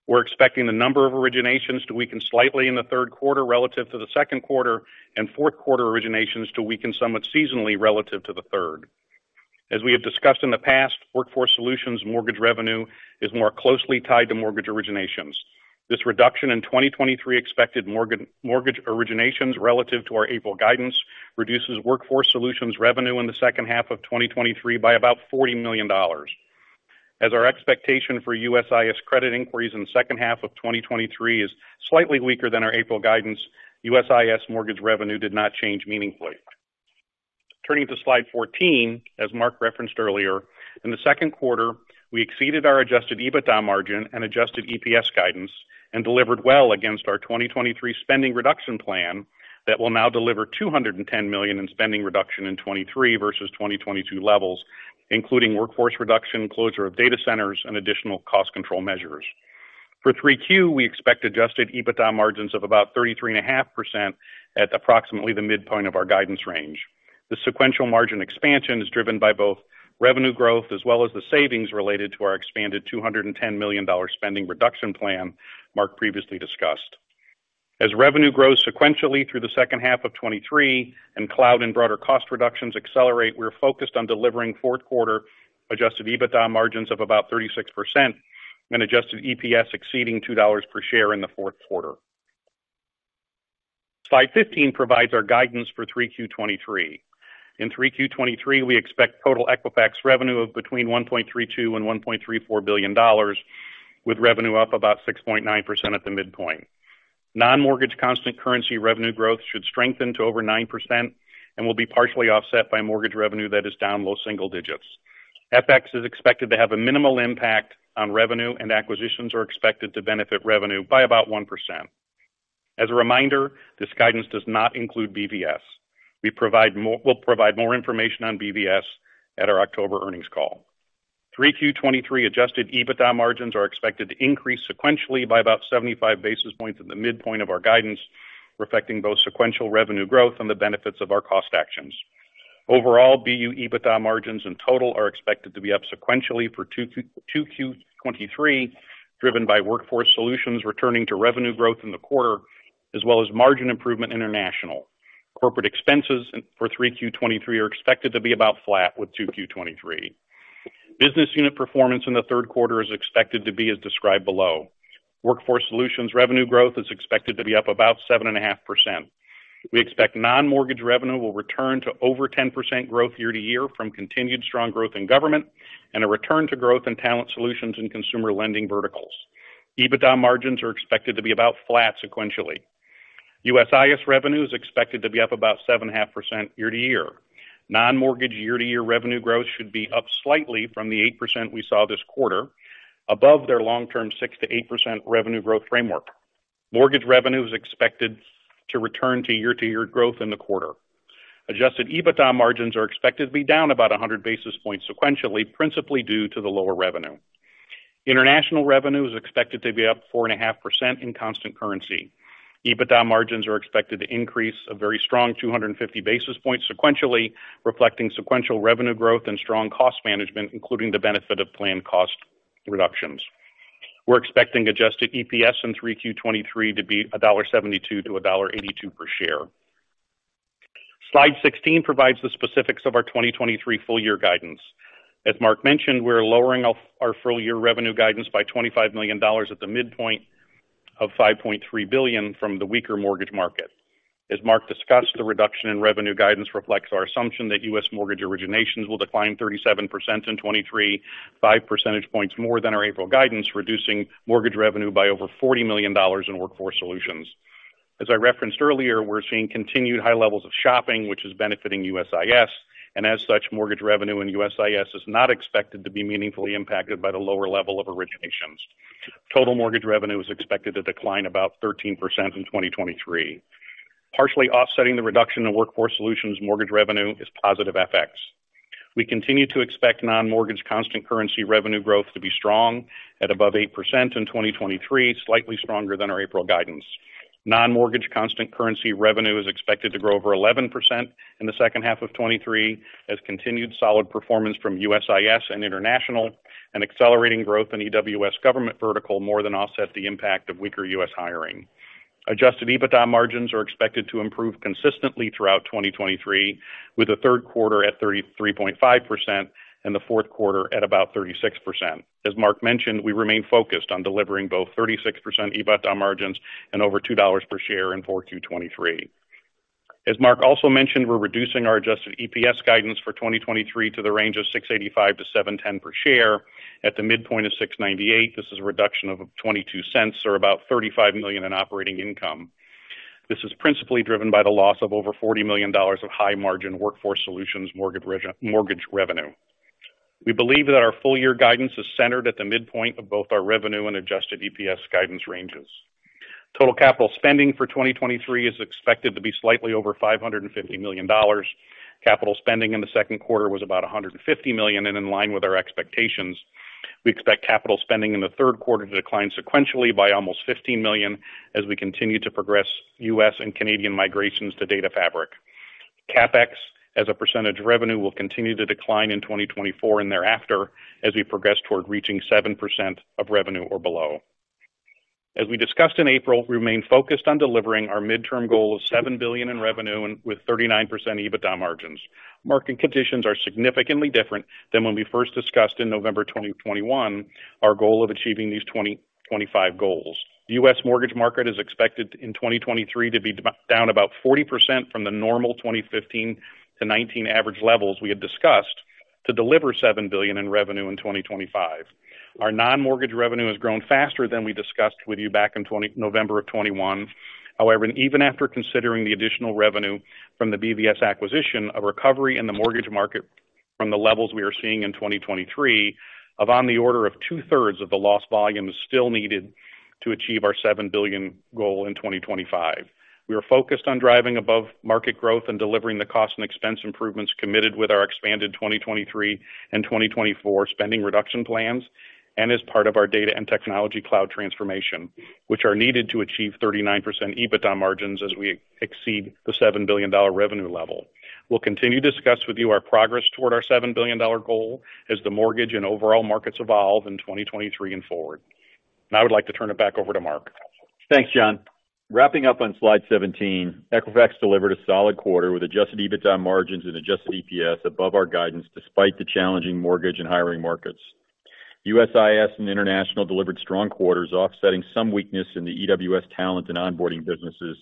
We're expecting the number of originations to weaken slightly in the third quarter relative to the second quarter and fourth quarter originations to weaken somewhat seasonally relative to the third. As we have discussed in the past, Workforce Solutions mortgage revenue is more closely tied to mortgage originations. This reduction in 2023 expected mortgage originations relative to our April guidance, reduces Workforce Solutions revenue in the second half of 2023 by about $40,000,000. As our expectation for USIS credit inquiries in the second half of 2023 is slightly weaker than our April guidance, USIS mortgage revenue did not change meaningfully. Turning to slide 14, as Mark referenced earlier, in the second quarter, we exceeded our Adjusted EBITDA margin and Adjusted EPS guidance and delivered well against our 2023 spending reduction plan. that will now deliver $210,000,000 in spending reduction in 2023 versus 2022 levels, including workforce reduction, closure of data centers and additional cost control measures. 3Q, we expect Adjusted EBITDA margins of about 33.5% at approximately the midpoint of our guidance range. The sequential margin expansion is driven by both revenue growth as well as the savings related to our expanded $210,000,000 spending reduction plan Mark previously discussed. Revenue grows sequentially through the second half of 2023 and cloud and broader cost reductions accelerate, we're focused on delivering fourth quarter Adjusted EBITDA margins of about 36% and Adjusted EPS exceeding $2 per share in the fourth quarter. Slide 15 provides our guidance for 3Q 2023. In 3Q 2023, we expect total Equifax revenue of between $1,320,000,000 and $1,340,000,000, with revenue up about 6.9% at the midpoint. Non-mortgage constant currency revenue growth should strengthen to over 9% and will be partially offset by mortgage revenue that is down low single digits. FX is expected to have a minimal impact on revenue, and acquisitions are expected to benefit revenue by about 1%. As a reminder, this guidance does not include BVS. We'll provide more information on BVS at our October earnings call. 3Q 2023 Adjusted EBITDA margins are expected to increase sequentially by about 75 basis points at the midpoint of our guidance, reflecting both sequential revenue growth and the benefits of our cost actions. Overall, BU EBITDA margins in total are expected to be up sequentially for 2Q 2023, driven by Workforce Solutions, returning to revenue growth in the quarter, as well as margin improvement international. Corporate expenses for 3Q 2023 are expected to be about flat with 2Q 2023. Business unit performance in the third quarter is expected to be as described below. Workforce Solutions revenue growth is expected to be up about 7.5%. We expect non-mortgage revenue will return to over 10% growth year-over-year from continued strong growth in government and a return to growth in talent solutions and consumer lending verticals. EBITDA margins are expected to be about flat sequentially. USIS revenue is expected to be up about 7.5% year-over-year. Non-mortgage year-over-year revenue growth should be up slightly from the 8% we saw this quarter, above their long-term 6%-8% revenue growth framework. Mortgage revenue is expected to return to year-over-year growth in the quarter. Adjusted EBITDA margins are expected to be down about 100 basis points sequentially, principally due to the lower revenue. International revenue is expected to be up 4.5% in constant currency. EBITDA margins are expected to increase a very strong 250 basis points sequentially, reflecting sequential revenue growth and strong cost management, including the benefit of planned cost reductions. We're expecting Adjusted EPS in 3Q 2023 to be $1.72-$1.82 per share. Slide 16 provides the specifics of our 2023 full year guidance. As Mark mentioned, we're lowering our full year revenue guidance by $25,000,000 at the midpoint of $5,300,000,000 from the weaker mortgage market. As Mark discussed, the reduction in revenue guidance reflects our assumption that U.S. mortgage originations will decline 37% in 2023, 5 percentage points more than our April guidance, reducing mortgage revenue by over $40,000,000 in Workforce Solutions. As I referenced earlier, we're seeing continued high levels of shopping, which is benefiting USIS, and as such, mortgage revenue in USIS is not expected to be meaningfully impacted by the lower level of originations. Total mortgage revenue is expected to decline about 13% in 2023. Partially offsetting the reduction in Workforce Solutions mortgage revenue is positive FX. We continue to expect non-mortgage constant currency revenue growth to be strong at above 8% in 2023, slightly stronger than our April guidance. Non-mortgage constant currency revenue is expected to grow over 11% in the second half of 2023, as continued solid performance from USIS and International and accelerating growth in EWS government vertical more than offset the impact of weaker U.S. hiring. Adjusted EBITDA margins are expected to improve consistently throughout 2023, with the third quarter at 33.5% and the fourth quarter at about 36%. As Mark mentioned, we remain focused on delivering both 36% EBITDA margins and over $2 per share in 4Q 2023. As Mark also mentioned, we're reducing our adjusted EPS guidance for 2023 to the range of $6.85 to $7.10 per share at the midpoint of $6.98. This is a reduction of $0.22 or about $35,000,000 in operating income. This is principally driven by the loss of over $40,000,000 of high margin Workforce Solutions mortgage revenue. We believe that our full year guidance is centered at the midpoint of both our revenue and Adjusted EPS guidance ranges. Total capital spending for 2023 is expected to be slightly over $550,000,000. Capital spending in the second quarter was about $150,000,000, and in line with our expectations, we expect capital spending in the third quarter to decline sequentially by almost $15,000,000 as we continue to progress U.S. and Canadian migrations to Data Fabric. CapEx, as a percentage of revenue, will continue to decline in 2024 and thereafter, as we progress toward reaching 7% of revenue or below. As we discussed in April, we remain focused on delivering our midterm goal of $7,000,000,000 in revenue and with 39% EBITDA margins. Market conditions are significantly different than when we first discussed in November of 2021, our goal of achieving these 2025 goals. The U.S. mortgage market is expected in 2023 to be down about 40% from the normal 2015-2019 average levels we had discussed to deliver $7.000,000,000 in revenue in 2025. Our non-mortgage revenue has grown faster than we discussed with you back in November of 2021. Even after considering the additional revenue from the BVS acquisition, a recovery in the mortgage market... from the levels we are seeing in 2023 of on the order of two-thirds of the lost volume is still needed to achieve our $7,000,000,000 goal in 2025. We are focused on driving above market growth and delivering the cost and expense improvements committed with our expanded 2023 and 2024 spending reduction plans, and as part of our data and technology cloud transformation, which are needed to achieve 39% EBITDA margins as we exceed the $7,000,000,000 revenue level. We'll continue to discuss with you our progress toward our $7,000,000,000 goal as the mortgage and overall markets evolve in 2023 and forward. I would like to turn it back over to Mark. Thanks, John. Wrapping up on slide 17, Equifax delivered a solid quarter with Adjusted EBITDA margins and Adjusted EPS above our guidance, despite the challenging mortgage and hiring markets. USIS and international delivered strong quarters, offsetting some weakness in the EWS talent and onboarding businesses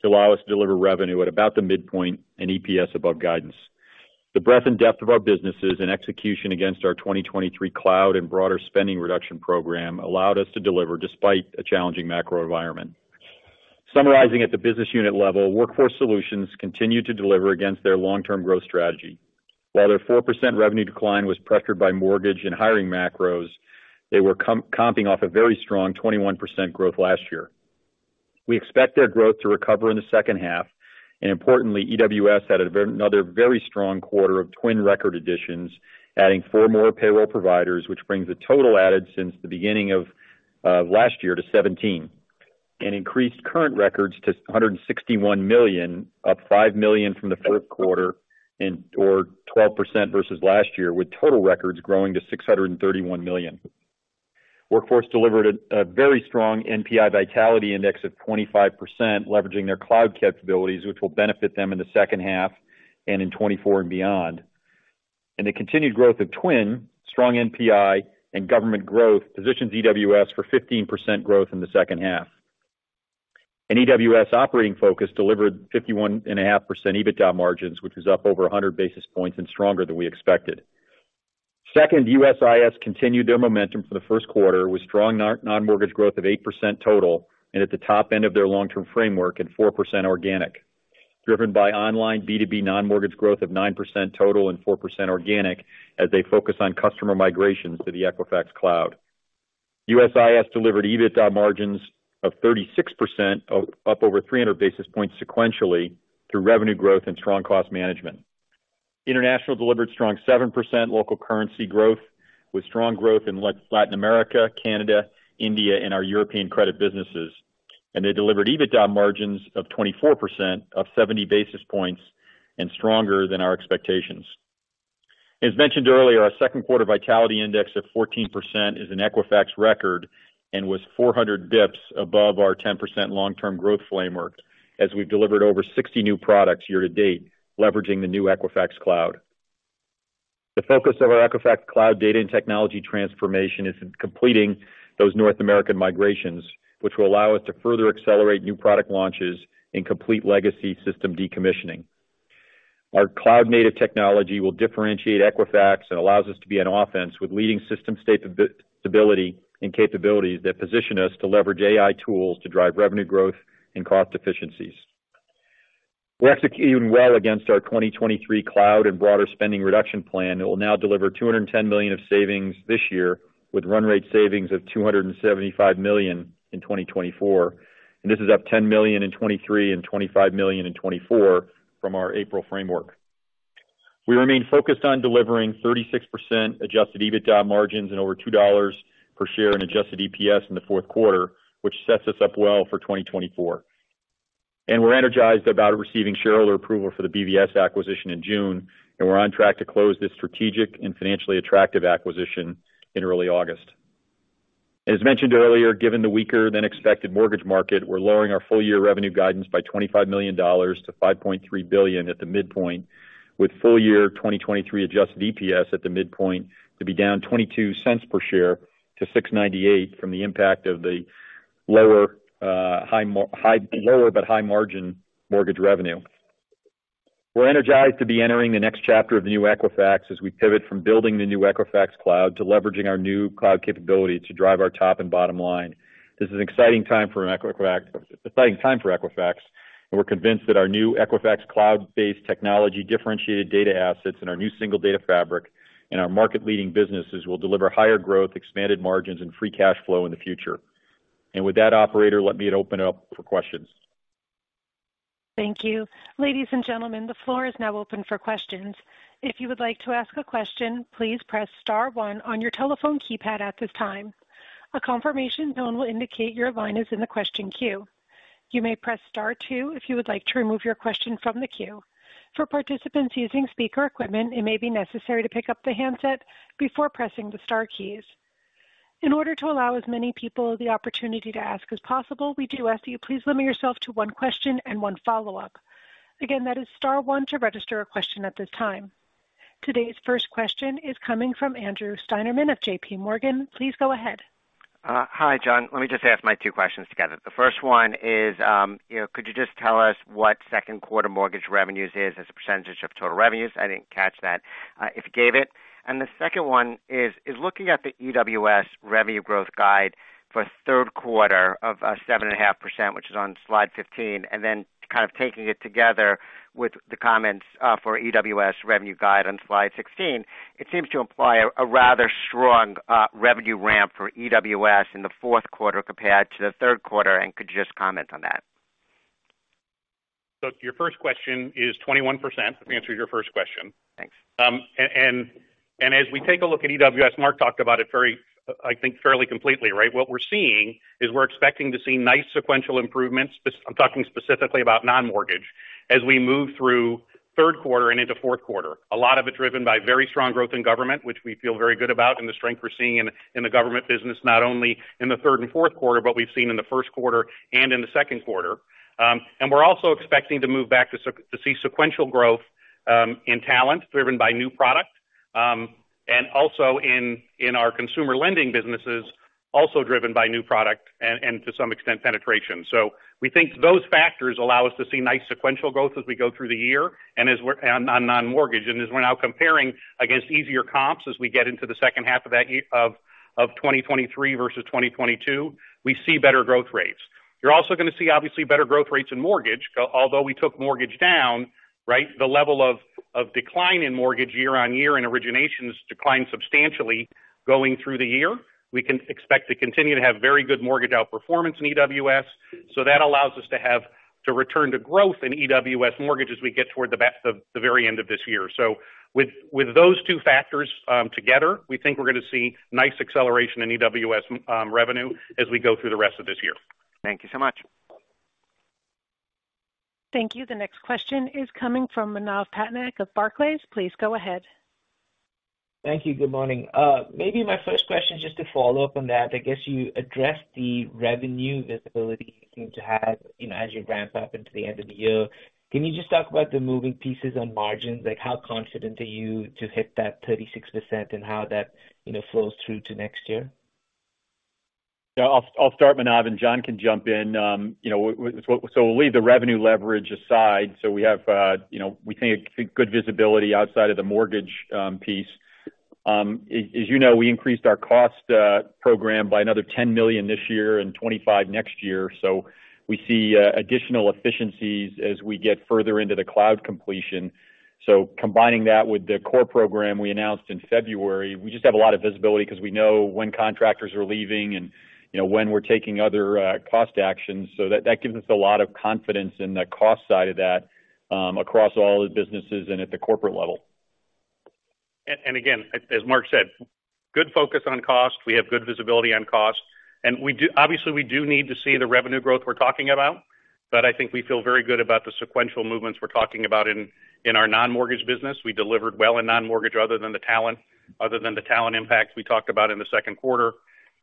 to allow us to deliver revenue at about the midpoint and EPS above guidance. The breadth and depth of our businesses and execution against our 2023 Cloud and broader spending reduction program allowed us to deliver despite a challenging macro environment. Summarizing at the business unit level, Workforce Solutions continued to deliver against their long-term growth strategy. While their 4% revenue decline was pressured by mortgage and hiring macros, they were comping off a very strong 21% growth last year. We expect their growth to recover in the second half. Importantly, EWS had another very strong quarter of TWN record additions, adding 4 more payroll providers, which brings the total added since the beginning of last year to 17, and increased current records to 161,000,000, up 5,000,000 from the fourth quarter and or 12% versus last year, with total records growing to 631,000,000. Workforce Solutions delivered a very strong NPI Vitality Index of 25%, leveraging their Equifax Cloud capabilities, which will benefit them in the second half and in 2024 and beyond. The continued growth of TWN, strong NPI and government growth positions EWS for 15% growth in the second half. An EWS operating focus delivered 51.5% EBITDA margins, which is up over 100 basis points and stronger than we expected. Second, USIS continued their momentum for the first quarter with strong non-mortgage growth of 8% total and at the top end of their long-term framework and 4% organic, driven by online B2B non-mortgage growth of 9% total and 4% organic as they focus on customer migrations to the Equifax Cloud. USIS delivered EBITDA margins of 36%, of up over 300 basis points sequentially, through revenue growth and strong cost management. International delivered strong 7% local currency growth, with strong growth in Latin America, Canada, India, and our European credit businesses. They delivered EBITDA margins of 24%, up 70 basis points and stronger than our expectations. As mentioned earlier, our second quarter Vitality Index of 14% is an Equifax record and was 400 basis points above our 10% long-term growth framework, as we've delivered over 60 new products year to date, leveraging the new Equifax Cloud. The focus of our Equifax Cloud data and technology transformation is completing those North American migrations, which will allow us to further accelerate new product launches and complete legacy system decommissioning. Our cloud-native technology will differentiate Equifax and allows us to be on offense with leading system stability and capabilities that position us to leverage AI tools to drive revenue growth and cost efficiencies. We're executing well against our 2023 Cloud and broader spending reduction plan that will now deliver $210,000,000 of savings this year, with run rate savings of $275,000,000 in 2024. This is up $10,000,000 in 2023 and $25,000,000 in 2024 from our April framework. We remain focused on delivering 36% Adjusted EBITDA margins and over $2 per share in Adjusted EPS in the fourth quarter, which sets us up well for 2024. We're energized about receiving shareholder approval for the BVS acquisition in June, and we're on track to close this strategic and financially attractive acquisition in early August. As mentioned earlier, given the weaker than expected mortgage market, we're lowering our full-year revenue guidance by $25,000,000-$5,300,000,000 at the midpoint, with full year 2023 Adjusted EPS at the midpoint to be down $0.22 per share to $6.98 from the impact of the lower, but high margin mortgage revenue. We're energized to be entering the next chapter of the new Equifax as we pivot from building the new Equifax Cloud to leveraging our new cloud capability to drive our top and bottom line. This is an exciting time for Equifax, and we're convinced that our new Equifax cloud-based technology, differentiated data assets, and our new single data fabric, and our market-leading businesses will deliver higher growth, expanded margins and free cash flow in the future. With that, operator, let me open it up for questions. Thank you. Ladies and gentlemen, the floor is now open for questions. If you would like to ask a question, please press star one on your telephone keypad at this time. A confirmation tone will indicate your line is in the question queue. You may press star two if you would like to remove your question from the queue. For participants using speaker equipment, it may be necessary to pick up the handset before pressing the star keys. In order to allow as many people the opportunity to ask as possible, we do ask you please limit yourself to one question and one follow-up. Again, that is star one to register a question at this time. Today's first question is coming from Andrew Steinerman of JPMorgan. Please go ahead. Hi, John. Let me just ask my two questions together. The first one is, you know, could you just tell us what second quarter mortgage revenues is as a percentage of total revenues? I didn't catch that if you gave it. The second one is looking at the EWS revenue growth guide for third quarter of 7.5%, which is on slide 15, then kind of taking it together with the comments for EWS revenue guide on slide 16. It seems to imply a rather strong revenue ramp for EWS in the fourth quarter compared to the third quarter. Could you just comment on that? Your first question is 21%. I've answered your first question. Thanks. As we take a look at EWS, Mark talked about it I think, fairly completely, right? What we're seeing is we're expecting to see nice sequential improvements. I'm talking specifically about non-mortgage, as we move through third quarter and into fourth quarter. A lot of it driven by very strong growth in government, which we feel very good about, and the strength we're seeing in the government business, not only in the third and fourth quarter, but we've seen in the first quarter and in the second quarter. We're also expecting to move back to see sequential growth in talent driven by new product, and also in our consumer lending businesses, also driven by new product and to some extent, penetration. We think those factors allow us to see nice sequential growth as we go through the year, and as we're on non-mortgage. As we're now comparing against easier comps, as we get into the second half of 2023 versus 2022, we see better growth rates. You're also going to see obviously better growth rates in mortgage, although we took mortgage down, right? The level of decline in mortgage year-on-year in originations declined substantially going through the year. We can expect to continue to have very good mortgage outperformance in EWS. That allows us to have to return to growth in EWS mortgage as we get toward the very end of this year. With those two factors, together, we think we're going to see nice acceleration in EWS revenue, as we go through the rest of this year. Thank you so much. Thank you. The next question is coming from Manav Patnaik of Barclays. Please go ahead. Thank you. Good morning. Maybe my first question, just to follow up on that. I guess you addressed the revenue visibility you seem to have, you know, as you ramp up into the end of the year. Can you just talk about the moving pieces on margins? Like, how confident are you to hit that 36% and how that, you know, flows through to next year? Yeah, I'll start, Manav, and John can jump in. you know, so we'll leave the revenue leverage aside. We have, you know, we think good visibility outside of the mortgage piece. as you know, we increased our cost program by another $10,000,000 this year and $25,000,000 next year. We see additional efficiencies as we get further into the cloud completion. Combining that with the core program we announced in February, we just have a lot of visibility because we know when contractors are leaving and, you know, when we're taking other cost actions. That gives us a lot of confidence in the cost side of that, across all the businesses and at the corporate level. Again, as Mark said, good focus on cost. We have good visibility on cost, obviously, we do need to see the revenue growth we're talking about, but I think we feel very good about the sequential movements we're talking about in our non-mortgage business. We delivered well in non-mortgage other than the talent impacts we talked about in the second quarter.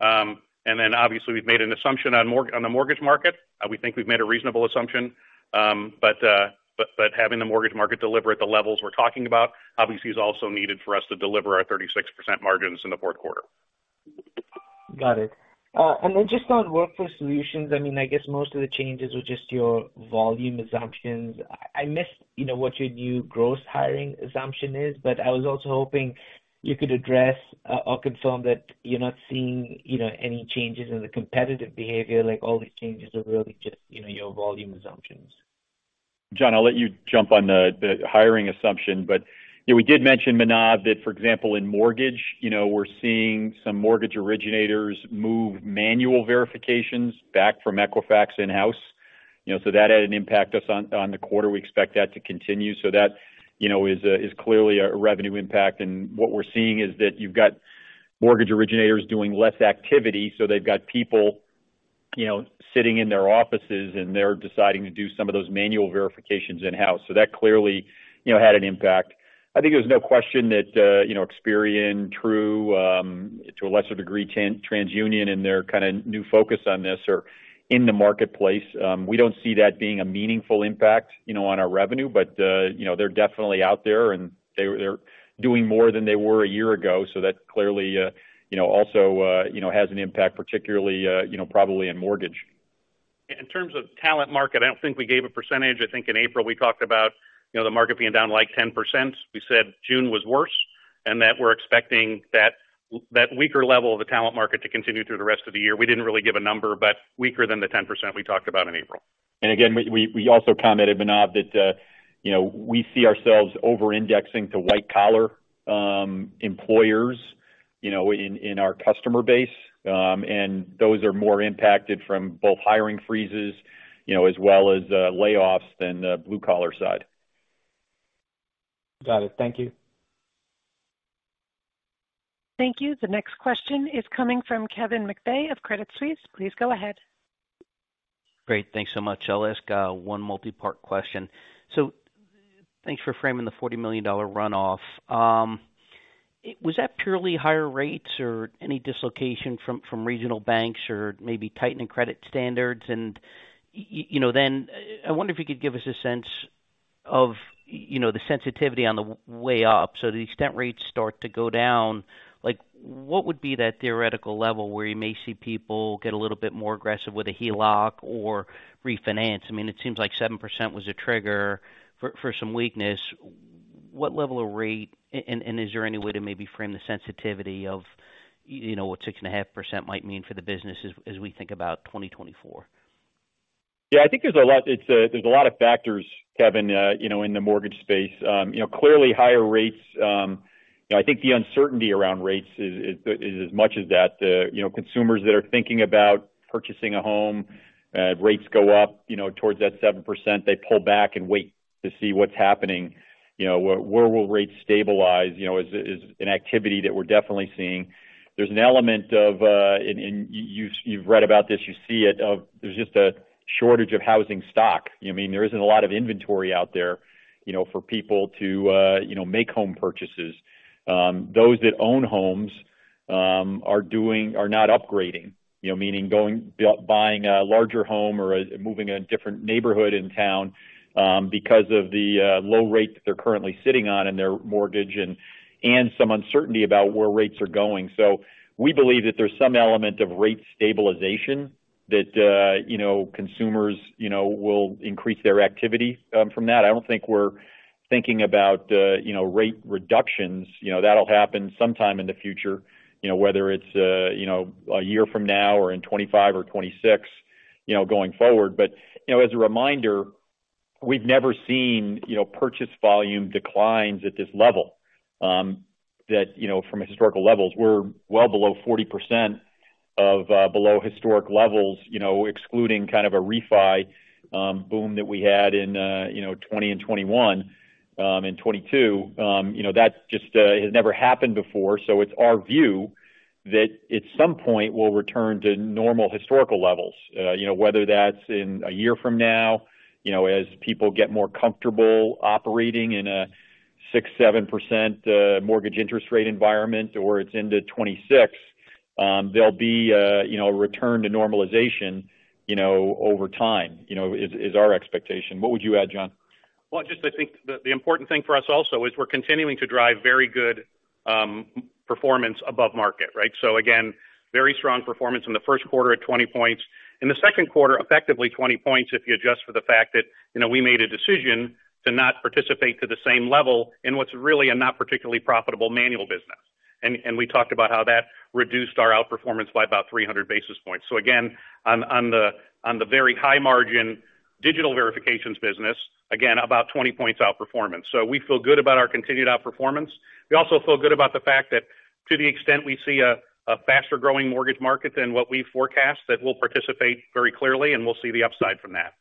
Obviously, we've made an assumption on the mortgage market. We think we've made a reasonable assumption. Having the mortgage market deliver at the levels we're talking about, obviously, is also needed for us to deliver our 36% margins in the fourth quarter. Got it. Just on Workforce Solutions, I mean, I guess most of the changes were just your volume assumptions. I missed, you know, what your new gross hiring assumption is, but I was also hoping you could address or confirm that you're not seeing, you know, any changes in the competitive behavior, like, all these changes are really just, you know, your volume assumptions? John, I'll let you jump on the hiring assumption, but, you know, we did mention, Manav, that, for example, in mortgage, you know, we're seeing some mortgage originators move manual verifications back from Equifax in-house. That had an impact us on the quarter. We expect that to continue. That, you know, is a, is clearly a revenue impact. What we're seeing is that you've got mortgage originators doing less activity, so they've got people, you know, sitting in their offices, and they're deciding to do some of those manual verifications in-house. That clearly, you know, had an impact. I think there's no question that, you know, Experian, Truework, to a lesser degree, TransUnion and their kind of new focus on this are in the marketplace. We don't see that being a meaningful impact, you know, on our revenue, but, you know, they're definitely out there, and they're doing more than they were a year ago. That clearly, you know, also, you know, has an impact, particularly, you know, probably in mortgage. In terms of talent market, I don't think we gave a %. I think in April, we talked about, you know, the market being down, like, 10%. We said June was worse and that we're expecting that weaker level of the talent market to continue through the rest of the year. We didn't really give a number, but weaker than the 10% we talked about in April. Again, we also commented, Manav, that, you know, we see ourselves over-indexing to white-collar employers, you know, in our customer base. Those are more impacted from both hiring freezes, you know, as well as layoffs than the blue-collar side. Got it. Thank you. Thank you. The next question is coming from Kevin McVeigh of Credit Suisse. Please go ahead. Great. Thanks so much. I'll ask one multi-part question. Thanks for framing the $40,000,000 runoff. Was that purely higher rates or any dislocation from regional banks or maybe tightening credit standards? You know, then I wonder if you could give us a sense of, you know, the sensitivity on the way up. The extent rates start to go down-... Like, what would be that theoretical level where you may see people get a little bit more aggressive with a HELOC or refinance? I mean, it seems like 7% was a trigger for some weakness. What level of rate, and is there any way to maybe frame the sensitivity of, you know, what 6.5% might mean for the business as we think about 2024? Yeah, I think there's a lot of factors, Kevin, you know, in the mortgage space. You know, clearly higher rates, I think the uncertainty around rates is as much as that, you know, consumers that are thinking about purchasing a home, rates go up, you know, towards that 7%. They pull back and wait to see what's happening. You know, where will rates stabilize? You know, is an activity that we're definitely seeing. There's an element of, and you've read about this, you see it, of there's just a shortage of housing stock. You know what I mean? There isn't a lot of inventory out there, you know, for people to, you know, make home purchases. Those that own homes are doing... Are not upgrading, you know, meaning going, buying a larger home or moving a different neighborhood in town, because of the low rate that they're currently sitting on in their mortgage and some uncertainty about where rates are going. We believe that there's some element of rate stabilization that, you know, consumers, you know, will increase their activity from that. I don't think we're thinking about, you know, rate reductions. You know, that'll happen sometime in the future, you know, whether it's, you know, a year from now or in 2025 or 2026, you know, going forward. As a reminder, you know, we've never seen, you know, purchase volume declines at this level. That, you know, from a historical levels, we're well below 40% of below historic levels, you know, excluding kind of a refi boom that we had in, you know, 20 and 21, and 22. You know, that just has never happened before. It's our view that at some point we'll return to normal historical levels. You know, whether that's in a year from now, you know, as people get more comfortable operating in a 6%, 7% mortgage interest rate environment, or it's into 26, there'll be, you know, a return to normalization, you know, over time, you know, is our expectation. What would you add, John? Well, just I think the important thing for us also is we're continuing to drive very good performance above market, right? Again, very strong performance in the first quarter at 20 points. In the second quarter, effectively 20 points, if you adjust for the fact that, you know, we made a decision to not participate to the same level in what's really a not particularly profitable manual business. We talked about how that reduced our outperformance by about 300 basis points. Again, on the very high margin digital verifications business, again, about 20 points outperformance. We feel good about our continued outperformance. We also feel good about the fact that to the extent we see a faster growing mortgage market than what we forecast, that we'll participate very clearly, and we'll see the upside from that.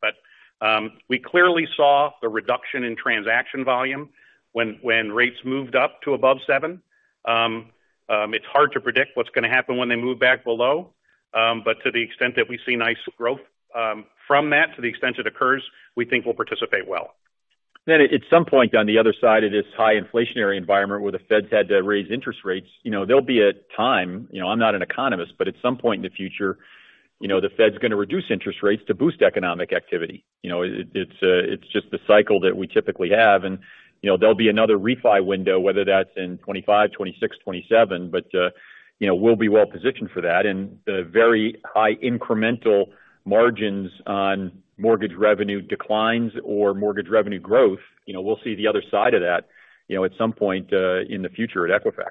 We clearly saw the reduction in transaction volume when rates moved up to above 7. It's hard to predict what's going to happen when they move back below, but to the extent that we see nice growth, from that, to the extent it occurs, we think we'll participate well. At some point, on the other side of this high inflationary environment, where the Fed's had to raise interest rates, you know, there'll be a time, you know, I'm not an economist, but at some point in the future, you know, the Fed's going to reduce interest rates to boost economic activity. You know, it's, it's just the cycle that we typically have, and, you know, there'll be another refi window, whether that's in 25, 26, 27. We'll be well positioned for that. The very high incremental margins on mortgage revenue declines or mortgage revenue growth, you know, we'll see the other side of that, you know, at some point in the future at Equifax.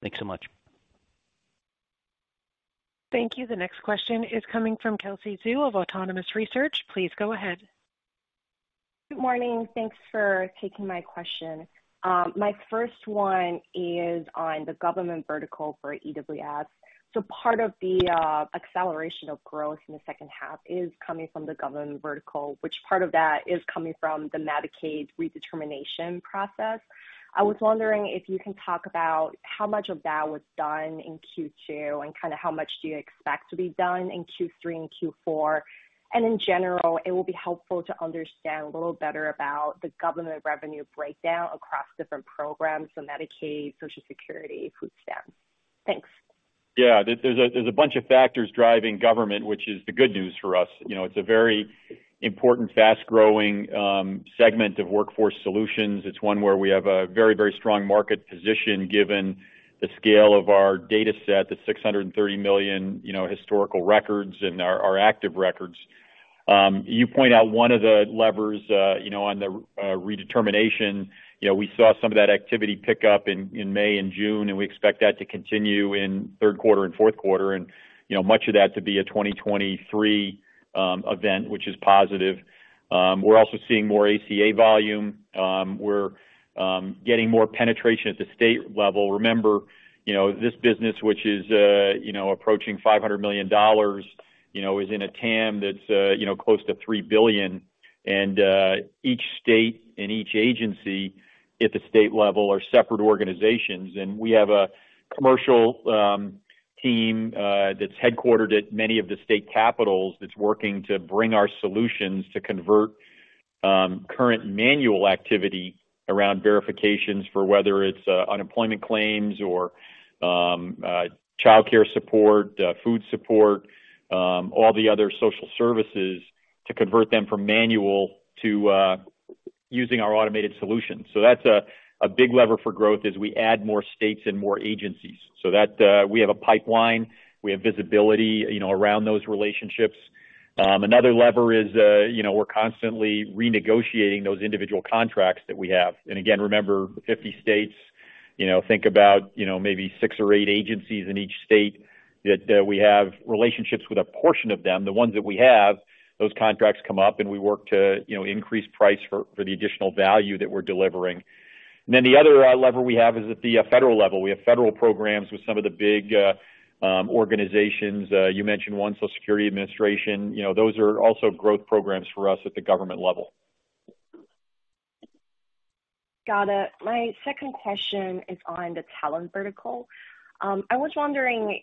Thanks so much. Thank you. The next question is coming from Kelsey Zhu of Autonomous Research. Please go ahead. Good morning. Thanks for taking my question. My first one is on the government vertical for EWS. Part of the acceleration of growth in the second half is coming from the government vertical, which part of that is coming from the Medicaid redetermination process. I was wondering if you can talk about how much of that was done in Q2 and kind of how much do you expect to be done in Q3 and Q4? In general, it will be helpful to understand a little better about the government revenue breakdown across different programs, so Medicaid, Social Security, food stamps. Thanks. Yeah. There's a bunch of factors driving government, which is the good news for us. You know, it's a very important, fast-growing segment of Workforce Solutions. It's one where we have a very, very strong market position given the scale of our data set, the $630,000,000, you know, historical records and our active records. You point out one of the levers, you know, on the redetermination. You know, we saw some of that activity pick up in May and June, and we expect that to continue in third quarter and fourth quarter, and, you know, much of that to be a 2023 event, which is positive. We're also seeing more ACA volume. We're getting more penetration at the state level. Remember, this business, which is approaching $500,000,000, is in a TAM that's close to $3,000,000,000. Each state and each agency at the state level are separate organizations, and we have a commercial team that's headquartered at many of the state capitals, that's working to bring our solutions to convert current manual activity around verifications for whether it's unemployment claims or childcare support, food support, all the other social services to convert them from manual to using our automated solution. That's a big lever for growth as we add more states and more agencies. That we have a pipeline, we have visibility around those relationships. Another lever is, you know, we're constantly renegotiating those individual contracts that we have. Remember, 50 states, you know, think about, you know, maybe 6 or 8 agencies in each state, that we have relationships with a portion of them. The ones that we have, those contracts come up, and we work to, you know, increase price for the additional value that we're delivering. The other lever we have is at the federal level. We have federal programs with some of the big organizations. You mentioned one, Social Security Administration, you know, those are also growth programs for us at the government level. Got it. My second question is on the talent vertical. I was wondering,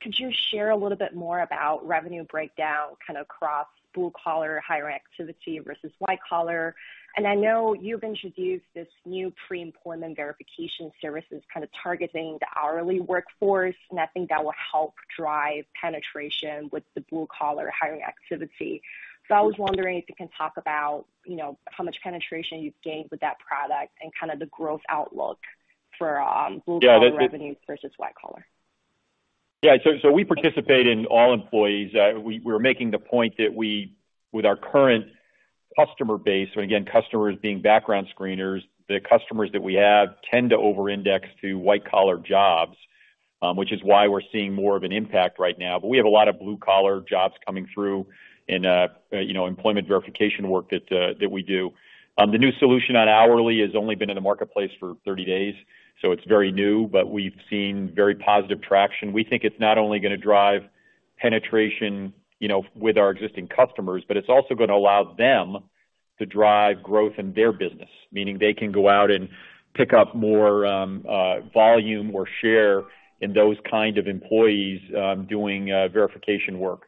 could you share a little bit more about revenue breakdown, kind of across blue-collar hiring activity versus white collar? I know you've introduced this new pre-employment verification services, kind of targeting the hourly workforce, and I think that will help drive penetration with the blue-collar hiring activity. I was wondering if you can talk about, you know, how much penetration you've gained with that product and kind of the growth outlook for, blue-collar- Yeah. revenues versus white collar. We participate in all employees. We're making the point that we, with our current customer base, customers being background screeners, the customers that we have tend to overindex to white-collar jobs, which is why we're seeing more of an impact right now. We have a lot of blue-collar jobs coming through in, you know, employment verification work that we do. The new solution on hourly has only been in the marketplace for 30 days, it's very new, we've seen very positive traction. We think it's not only going to drive penetration, you know, with our existing customers, it's also going to allow them to drive growth in their business, meaning they can go out and pick up more volume or share in those kind of employees doing verification work.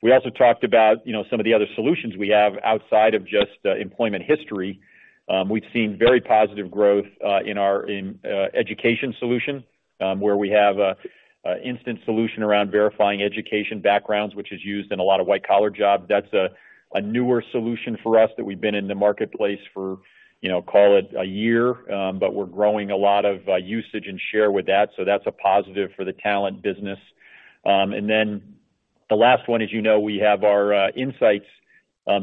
We also talked about, you know, some of the other solutions we have outside of just employment history. We've seen very positive growth in our education solution, where we have a instant solution around verifying education backgrounds, which is used in a lot of white-collar jobs. That's a newer solution for us that we've been in the marketplace for, you know, call it a year, but we're growing a lot of usage and share with that's a positive for the talent business. The last one, as you know, we have our insights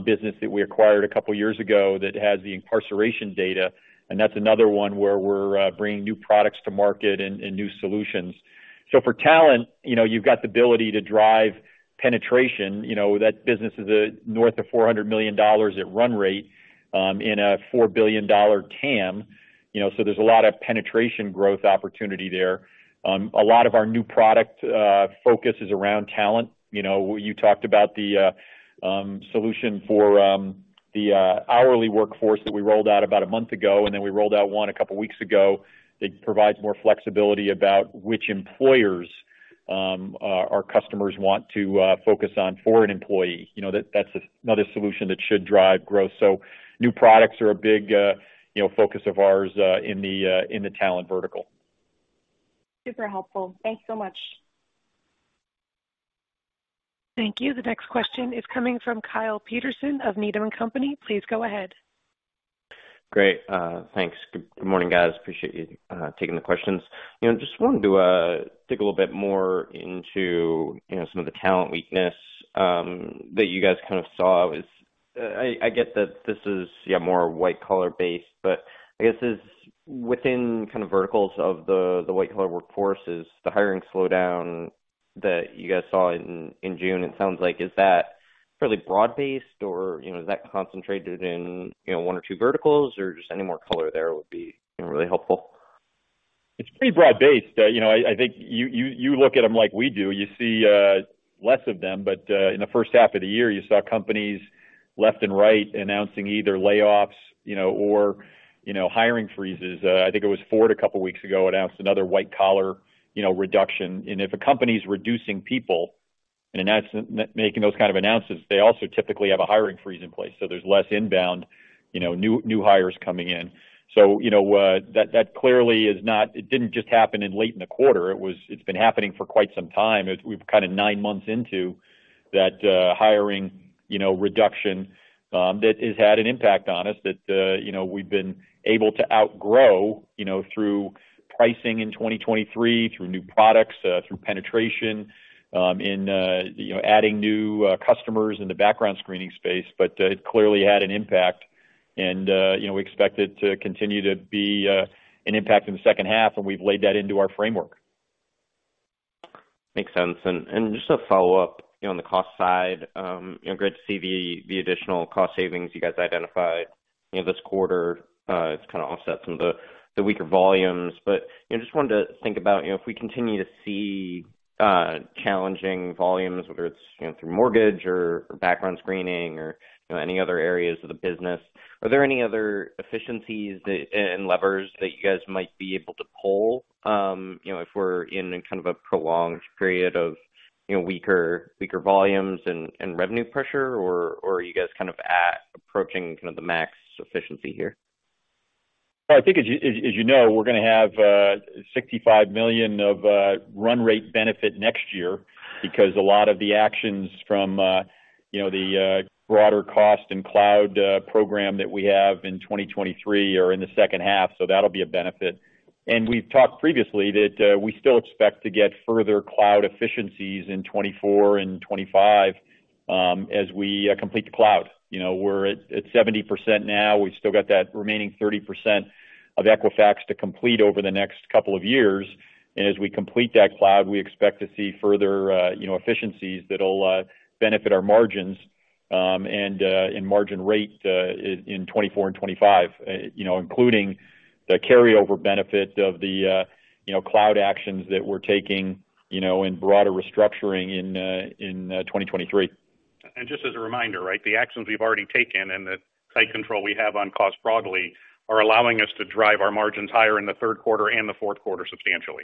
business that we acquired a couple years ago that has the incarceration data, that's another one where we're bringing new products to market and new solutions. For talent, you know, you've got the ability to drive penetration. You know, that business is north of $400,000,000at run rate in a $4,000,000,000 TAM. You know, there's a lot of penetration growth opportunity there. A lot of our new product focus is around talent. You know, you talked about the solution for the hourly workforce that we rolled out about a month ago, and then we rolled out one a couple of weeks ago, that provides more flexibility about which employers our customers want to focus on for an employee. You know, that's another solution that should drive growth. New products are a big, you know, focus of ours in the talent vertical. Super helpful. Thank you so much. Thank you. The next question is coming from Kyle Peterson of Needham & Company. Please go ahead. Great. Thanks. Good morning, guys. Appreciate you taking the questions. You know, just wanted to dig a little bit more into, you know, some of the talent weakness that you guys kind of saw is, I get that this is, yeah, more white-collar based, but I guess is within kind of verticals of the white-collar workforce, is the hiring slowdown that you guys saw in June, it sounds like, is that fairly broad-based, or, you know, is that concentrated in, you know, one or two verticals? Just any more color there would be, you know, really helpful. It's pretty broad-based. You know, I think you, you look at them like we do. You see less of them, but in the first half of the year, you saw companies left and right announcing either layoffs, you know, or, you know, hiring freezes. I think it was Ford, a couple of weeks ago, announced another white-collar, you know, reduction. If a company's reducing people making those kind of announcements, they also typically have a hiring freeze in place, so there's less inbound, you know, new hires coming in. You know, that clearly is not, it didn't just happen in late in the quarter. It's been happening for quite some time. It's, we've kind of nine months into that hiring, you know, reduction, that has had an impact on us, that, you know, we've been able to outgrow, you know, through pricing in 2023, through new products, through penetration, in, you know, adding new customers in the background screening space. It clearly had an impact, and you know, we expect it to continue to be an impact in the second half, and we've laid that into our framework. Makes sense. Just a follow-up, you know, on the cost side, you know, great to see the additional cost savings you guys identified, you know, this quarter, it's kind of offset some of the weaker volumes. Just wanted to think about, you know, if we continue to see challenging volumes, whether it's, you know, through mortgage or background screening or, you know, any other areas of the business, are there any other efficiencies that, and levers that you guys might be able to pull, you know, if we're in a prolonged period of, you know, weaker volumes and revenue pressure, or are you guys approaching the max efficiency here? Well, I think as you know, we're gonna have $65,000,000 of run rate benefit next year because a lot of the actions from, you know, the broader cost and cloud program that we have in 2023 are in the second half, so that'll be a benefit. We've talked previously that we still expect to get further cloud efficiencies in 2024 and 2025, as we complete the cloud. You know, we're at 70% now. We've still got that remaining 30% of Equifax to complete over the next couple of years. As we complete that cloud, we expect to see further, you know, efficiencies that'll benefit our margins, and in margin rate, in 2024 and 2025, you know, including the carryover benefit of the, you know, cloud actions that we're taking, you know, in broader restructuring in 2023. Just as a reminder, right, the actions we've already taken and the tight control we have on cost broadly are allowing us to drive our margins higher in the third quarter and the fourth quarter substantially.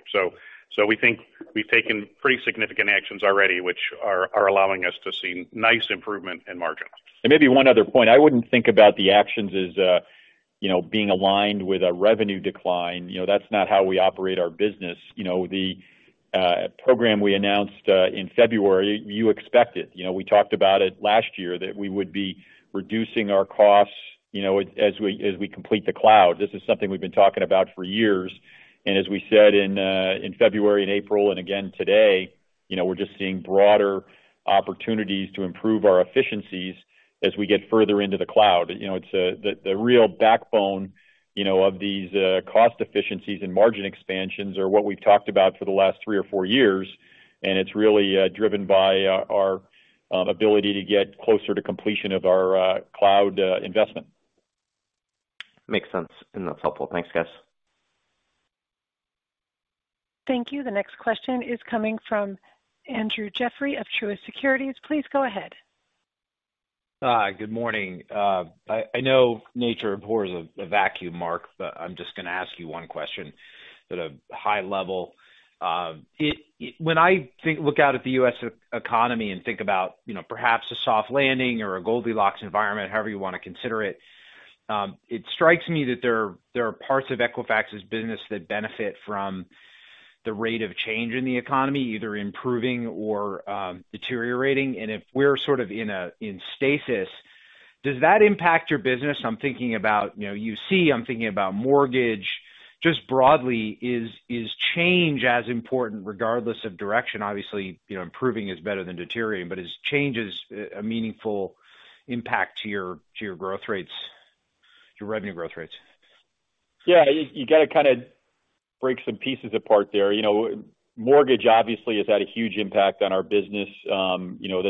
We think we've taken pretty significant actions already, which are allowing us to see nice improvement in margins. Maybe one other point. I wouldn't think about the actions as, you know, being aligned with a revenue decline. You know, that's not how we operate our business. You know, the program we announced in February, you expect it. You know, we talked about it last year, that we would be reducing our costs, you know, as we complete the Cloud. This is something we've been talking about for years. As we said in February and April and again today, you know, we're just seeing broader opportunities to improve our efficiencies as we get further into the Cloud. You know, it's the real backbone, you know, of these cost efficiencies and margin expansions are what we've talked about for the last 3 or 4 years. It's really driven by our ability to get closer to completion of our cloud investment. Makes sense, and that's helpful. Thanks, guys. Thank you. The next question is coming from Andrew Jeffrey of Truist Securities. Please go ahead. Good morning. I know nature abhors a vacuum, Mark. I'm just gonna ask you 1 question at a high level. When I look out at the U.S. economy and think about, you know, perhaps a soft landing or a Goldilocks environment, however you wanna consider it strikes me that there are parts of Equifax's business that benefit from the rate of change in the economy, either improving or deteriorating. If we're sort of in a stasis, does that impact your business? I'm thinking about, you know, mortgage. Just broadly, is change as important, regardless of direction? Obviously, you know, improving is better than deteriorating, is change a meaningful impact to your growth rates, your revenue growth rates? Yeah, you gotta kinda break some pieces apart there. You know, mortgage obviously has had a huge impact on our business. You know,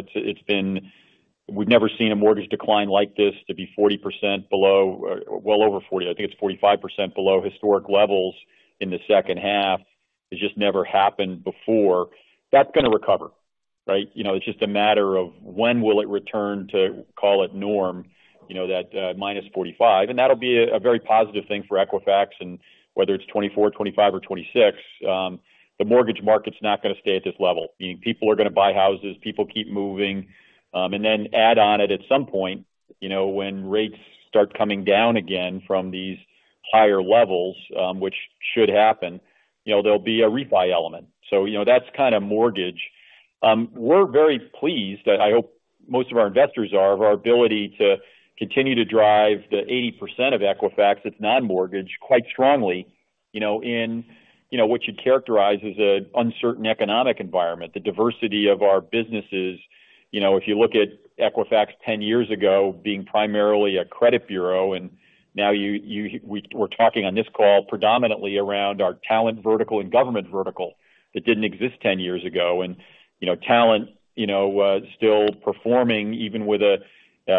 We've never seen a mortgage decline like this to be 40% below, well, over 40, I think it's 45% below historic levels in the second half. It just never happened before. That's gonna recover, right? You know, it's just a matter of when will it return to, call it norm, you know, that, minus 45, and that'll be a very positive thing for Equifax. Whether it's 24, 25 or 26, the mortgage market's not gonna stay at this level. Meaning people are gonna buy houses, people keep moving. Then add on it at some point, you know, when rates start coming down again from these higher levels, which should happen, you know, there'll be a refi element. You know, that's kinda mortgage. We're very pleased, I hope most of our investors are, of our ability to continue to drive the 80% of Equifax, that's non-mortgage, quite strongly, you know, in, you know, what you'd characterize as an uncertain economic environment. The diversity of our businesses, you know, if you look at Equifax 10 years ago, being primarily a credit bureau, and now we're talking on this call predominantly around our talent vertical and government vertical, that didn't exist 10 years ago. You know, talent, you know, still performing even with a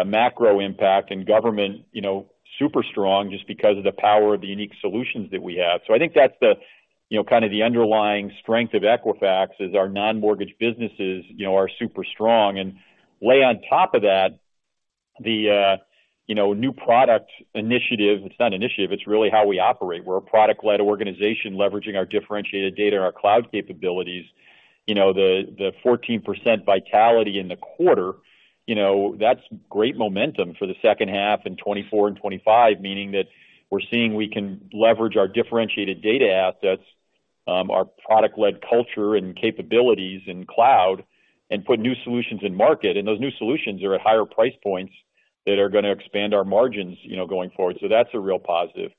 macro impact and government, you know, super strong just because of the power of the unique solutions that we have. I think that's the, you know, kind of the underlying strength of Equifax, is our non-mortgage businesses, you know, are super strong. Lay on top of that, the, you know, new product initiative. It's not an initiative, it's really how we operate. We're a product-led organization, leveraging our differentiated data and our cloud capabilities. You know, the 14% vitality in the quarter, you know, that's great momentum for the second half in 2024 and 2025, meaning that we're seeing we can leverage our differentiated data assets, our product-led culture and capabilities in cloud, and put new solutions in market. Those new solutions are at higher price points that are gonna expand our margins, you know, going forward. That's a real positive.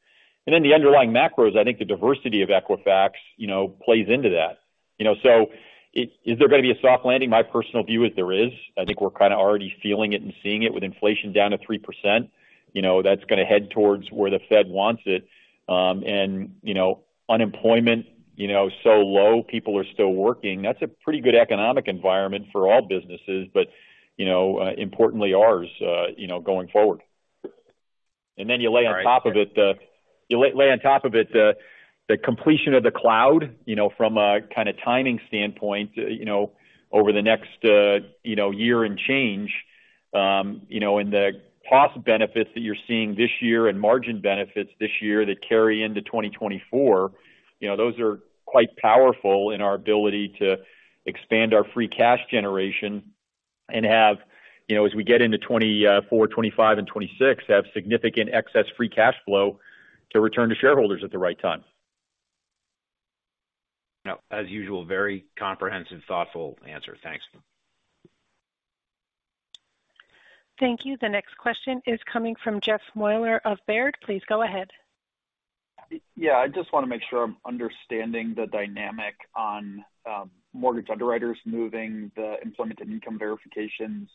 The underlying macros, I think the diversity of Equifax, you know, plays into that. Is there gonna be a soft landing? My personal view is there is. I think we're kinda already feeling it and seeing it with inflation down to 3%. That's gonna head towards where the Fed wants it. Unemployment, you know, so low, people are still working. That's a pretty good economic environment for all businesses, but, you know, importantly, ours, you know, going forward. You lay on top of it, the completion of the cloud, you know, from a kind of timing standpoint, you know, over the next, you know, year and change, you know, and the cost benefits that you're seeing this year and margin benefits this year that carry into 2024, you know, those are quite powerful in our ability to expand our free cash generation-... and have, you know, as we get into 2024, 2025 and 2026, have significant excess free cash flow to return to shareholders at the right time. As usual, very comprehensive, thoughtful answer. Thanks. Thank you. The next question is coming from Jeff Meuler of Baird. Please go ahead. I just want to make sure I'm understanding the dynamic on mortgage underwriters moving the employment and income verifications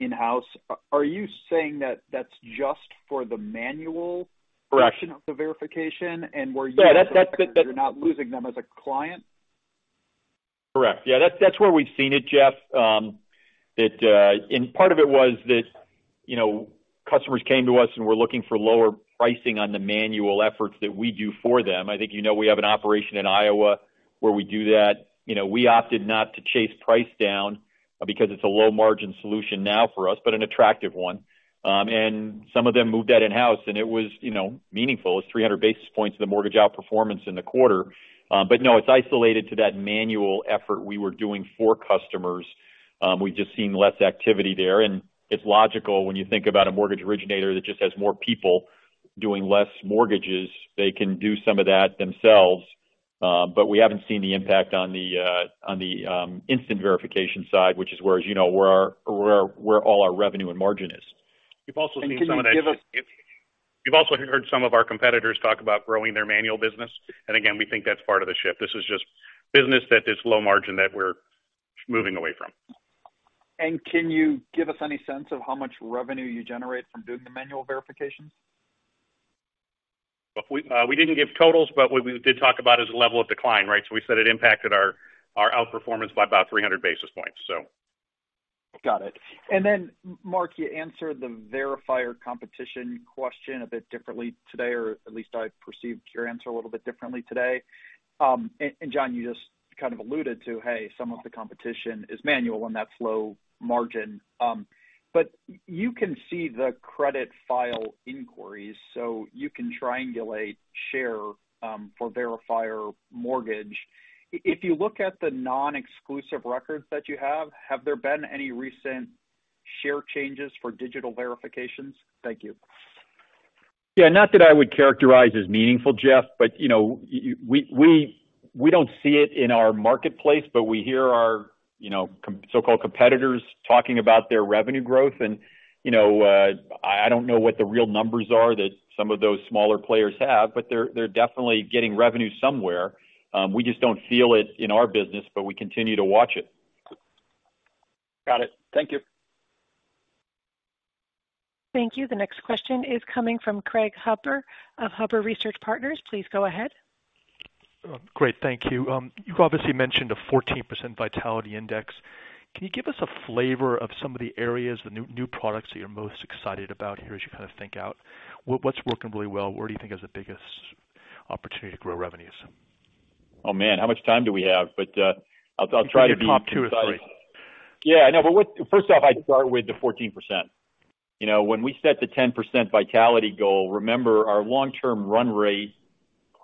in-house. Are you saying that that's just for the. Correct. Correction of the verification, and. Yeah, that's. You're not losing them as a client? Correct. Yeah, that's where we've seen it, Jeff. That, you know, customers came to us and were looking for lower pricing on the manual efforts that we do for them. I think, you know, we have an operation in Iowa where we do that. You know, we opted not to chase price down because it's a low-margin solution now for us, but an attractive one. Some of them moved that in-house, and it was, you know, meaningful. It's 300 basis points of the mortgage outperformance in the quarter. No, it's isolated to that manual effort we were doing for customers. We've just seen less activity there. It's logical when you think about a mortgage originator that just has more people doing less mortgages, they can do some of that themselves. We haven't seen the impact on the instant verification side, which is where, as you know, where all our revenue and margin is. We've also seen some of that. Can you give us-? You've also heard some of our competitors talk about growing their manual business, and again, we think that's part of the shift. This is just business that is low margin, that we're moving away from. Can you give us any sense of how much revenue you generate from doing the manual verifications? We didn't give totals, but what we did talk about is the level of decline, right? We said it impacted our outperformance by about 300 basis points, so. Got it. Mark, you answered the verifier competition question a bit differently today, or at least I perceived your answer a little bit differently today. John, you just kind of alluded to, hey, some of the competition is manual on that slow margin. You can see the credit file inquiries, so you can triangulate share for verifier mortgage. If you look at the non-exclusive records that you have there been any recent share changes for digital verifications? Thank you. Yeah, not that I would characterize as meaningful, Jeff, but you know, we don't see it in our marketplace, but we hear our, you know, so-called competitors talking about their revenue growth. You know, I don't know what the real numbers are that some of those smaller players have, but they're definitely getting revenue somewhere. We just don't feel it in our business, but we continue to watch it. Got it. Thank you. Thank you. The next question is coming from Craig Huber of Huber Research Partners. Please go ahead. Great, thank you. You've obviously mentioned a 14% Vitality Index. Can you give us a flavor of some of the areas, the new products that you're most excited about here, as you kind of think out? What's working really well? Where do you think is the biggest opportunity to grow revenues? Oh, man, how much time do we have? I'll try to be- Give me the top two or three. Yeah, I know, but first off, I'd start with the 14%. You know, when we set the 10% vitality goal, remember our long-term run rate,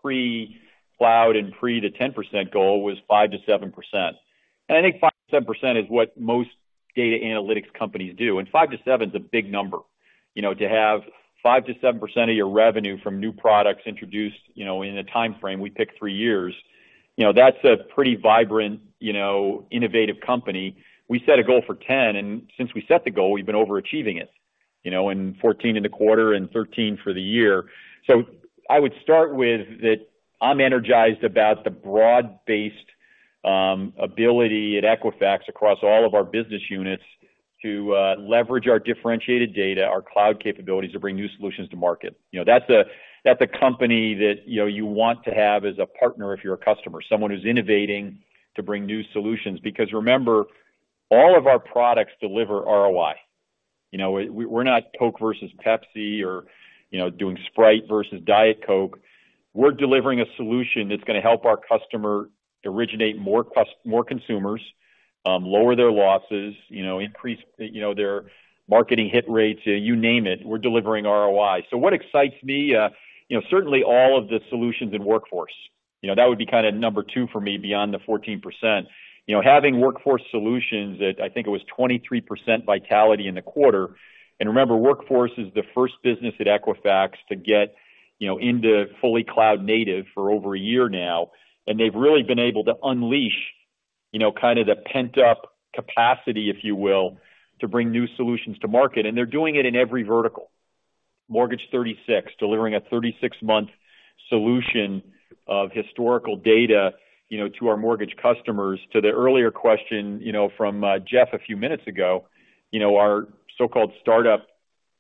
pre-cloud and pre the 10% goal was 5%-7%. I think 5%-7% is what most data analytics companies do, and 5-7 is a big number. You know, to have 5%-7% of your revenue from new products introduced, you know, in a timeframe, we picked 3 years, you know, that's a pretty vibrant, you know, innovative company. We set a goal for 10, and since we set the goal, we've been overachieving it, you know, and 14 in the quarter and 13 for the year. I would start with that, I'm energized about the broad-based ability at Equifax across all of our business units to leverage our differentiated data, our cloud capabilities, to bring new solutions to market. You know, that's a, that's a company that, you know, you want to have as a partner if you're a customer, someone who's innovating to bring new solutions, because remember, all of our products deliver ROI. You know, we're not Coke versus Pepsi or, you know, doing Sprite versus Diet Coke. We're delivering a solution that's going to help our customer originate more consumers, lower their losses, you know, increase, you know, their marketing hit rates. You name it, we're delivering ROI. What excites me? You know, certainly all of the solutions in Workforce. You know, that would be kind of number two for me, beyond the 14%. You know, having Workforce Solutions that I think it was 23% vitality in the quarter. Remember, Workforce is the first business at Equifax to get, you know, into fully cloud native for over a year now, and they've really been able to unleash, you know, kind of the pent-up capacity, if you will, to bring new solutions to market. They're doing it in every vertical. Mortgage36, delivering a 36-month solution of historical data, you know, to our mortgage customers. To the earlier question, you know, from Jeff a few minutes ago, you know, our so-called startup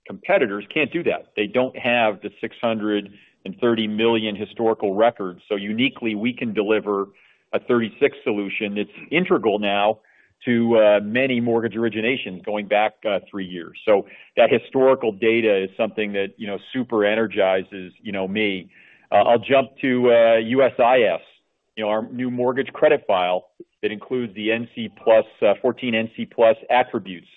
competitors can't do that. They don't have the 630,000,000 historical records. Uniquely, we can deliver a Mortgage36 solution that's integral now to many mortgage originations going back 3 years. That historical data is something that, you know, super energizes, you know, me. I'll jump to USIS, you know, our new mortgage credit file that includes the NC Plus, 14 NC Plus attributes.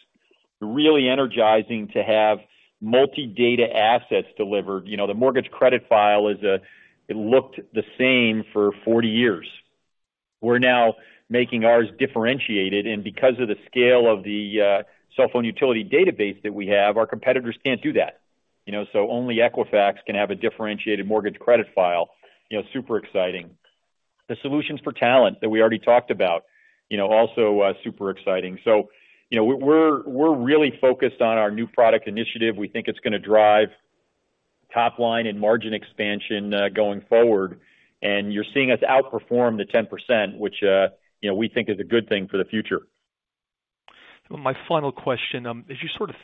Really energizing to have multi-data assets delivered. You know, the mortgage credit file is, it looked the same for 40 years. We're now making ours differentiated, and because of the scale of the cell phone utility database that we have, our competitors can't do that, you know. Only Equifax can have a differentiated mortgage credit file, you know, super exciting. The solutions for talent that we already talked about, you know, also super exciting. You know, we're really focused on our new product initiative. We think it's gonna drive top line and margin expansion, going forward, and you're seeing us outperform the 10%, which, you know, we think is a good thing for the future. My final question, as you sort of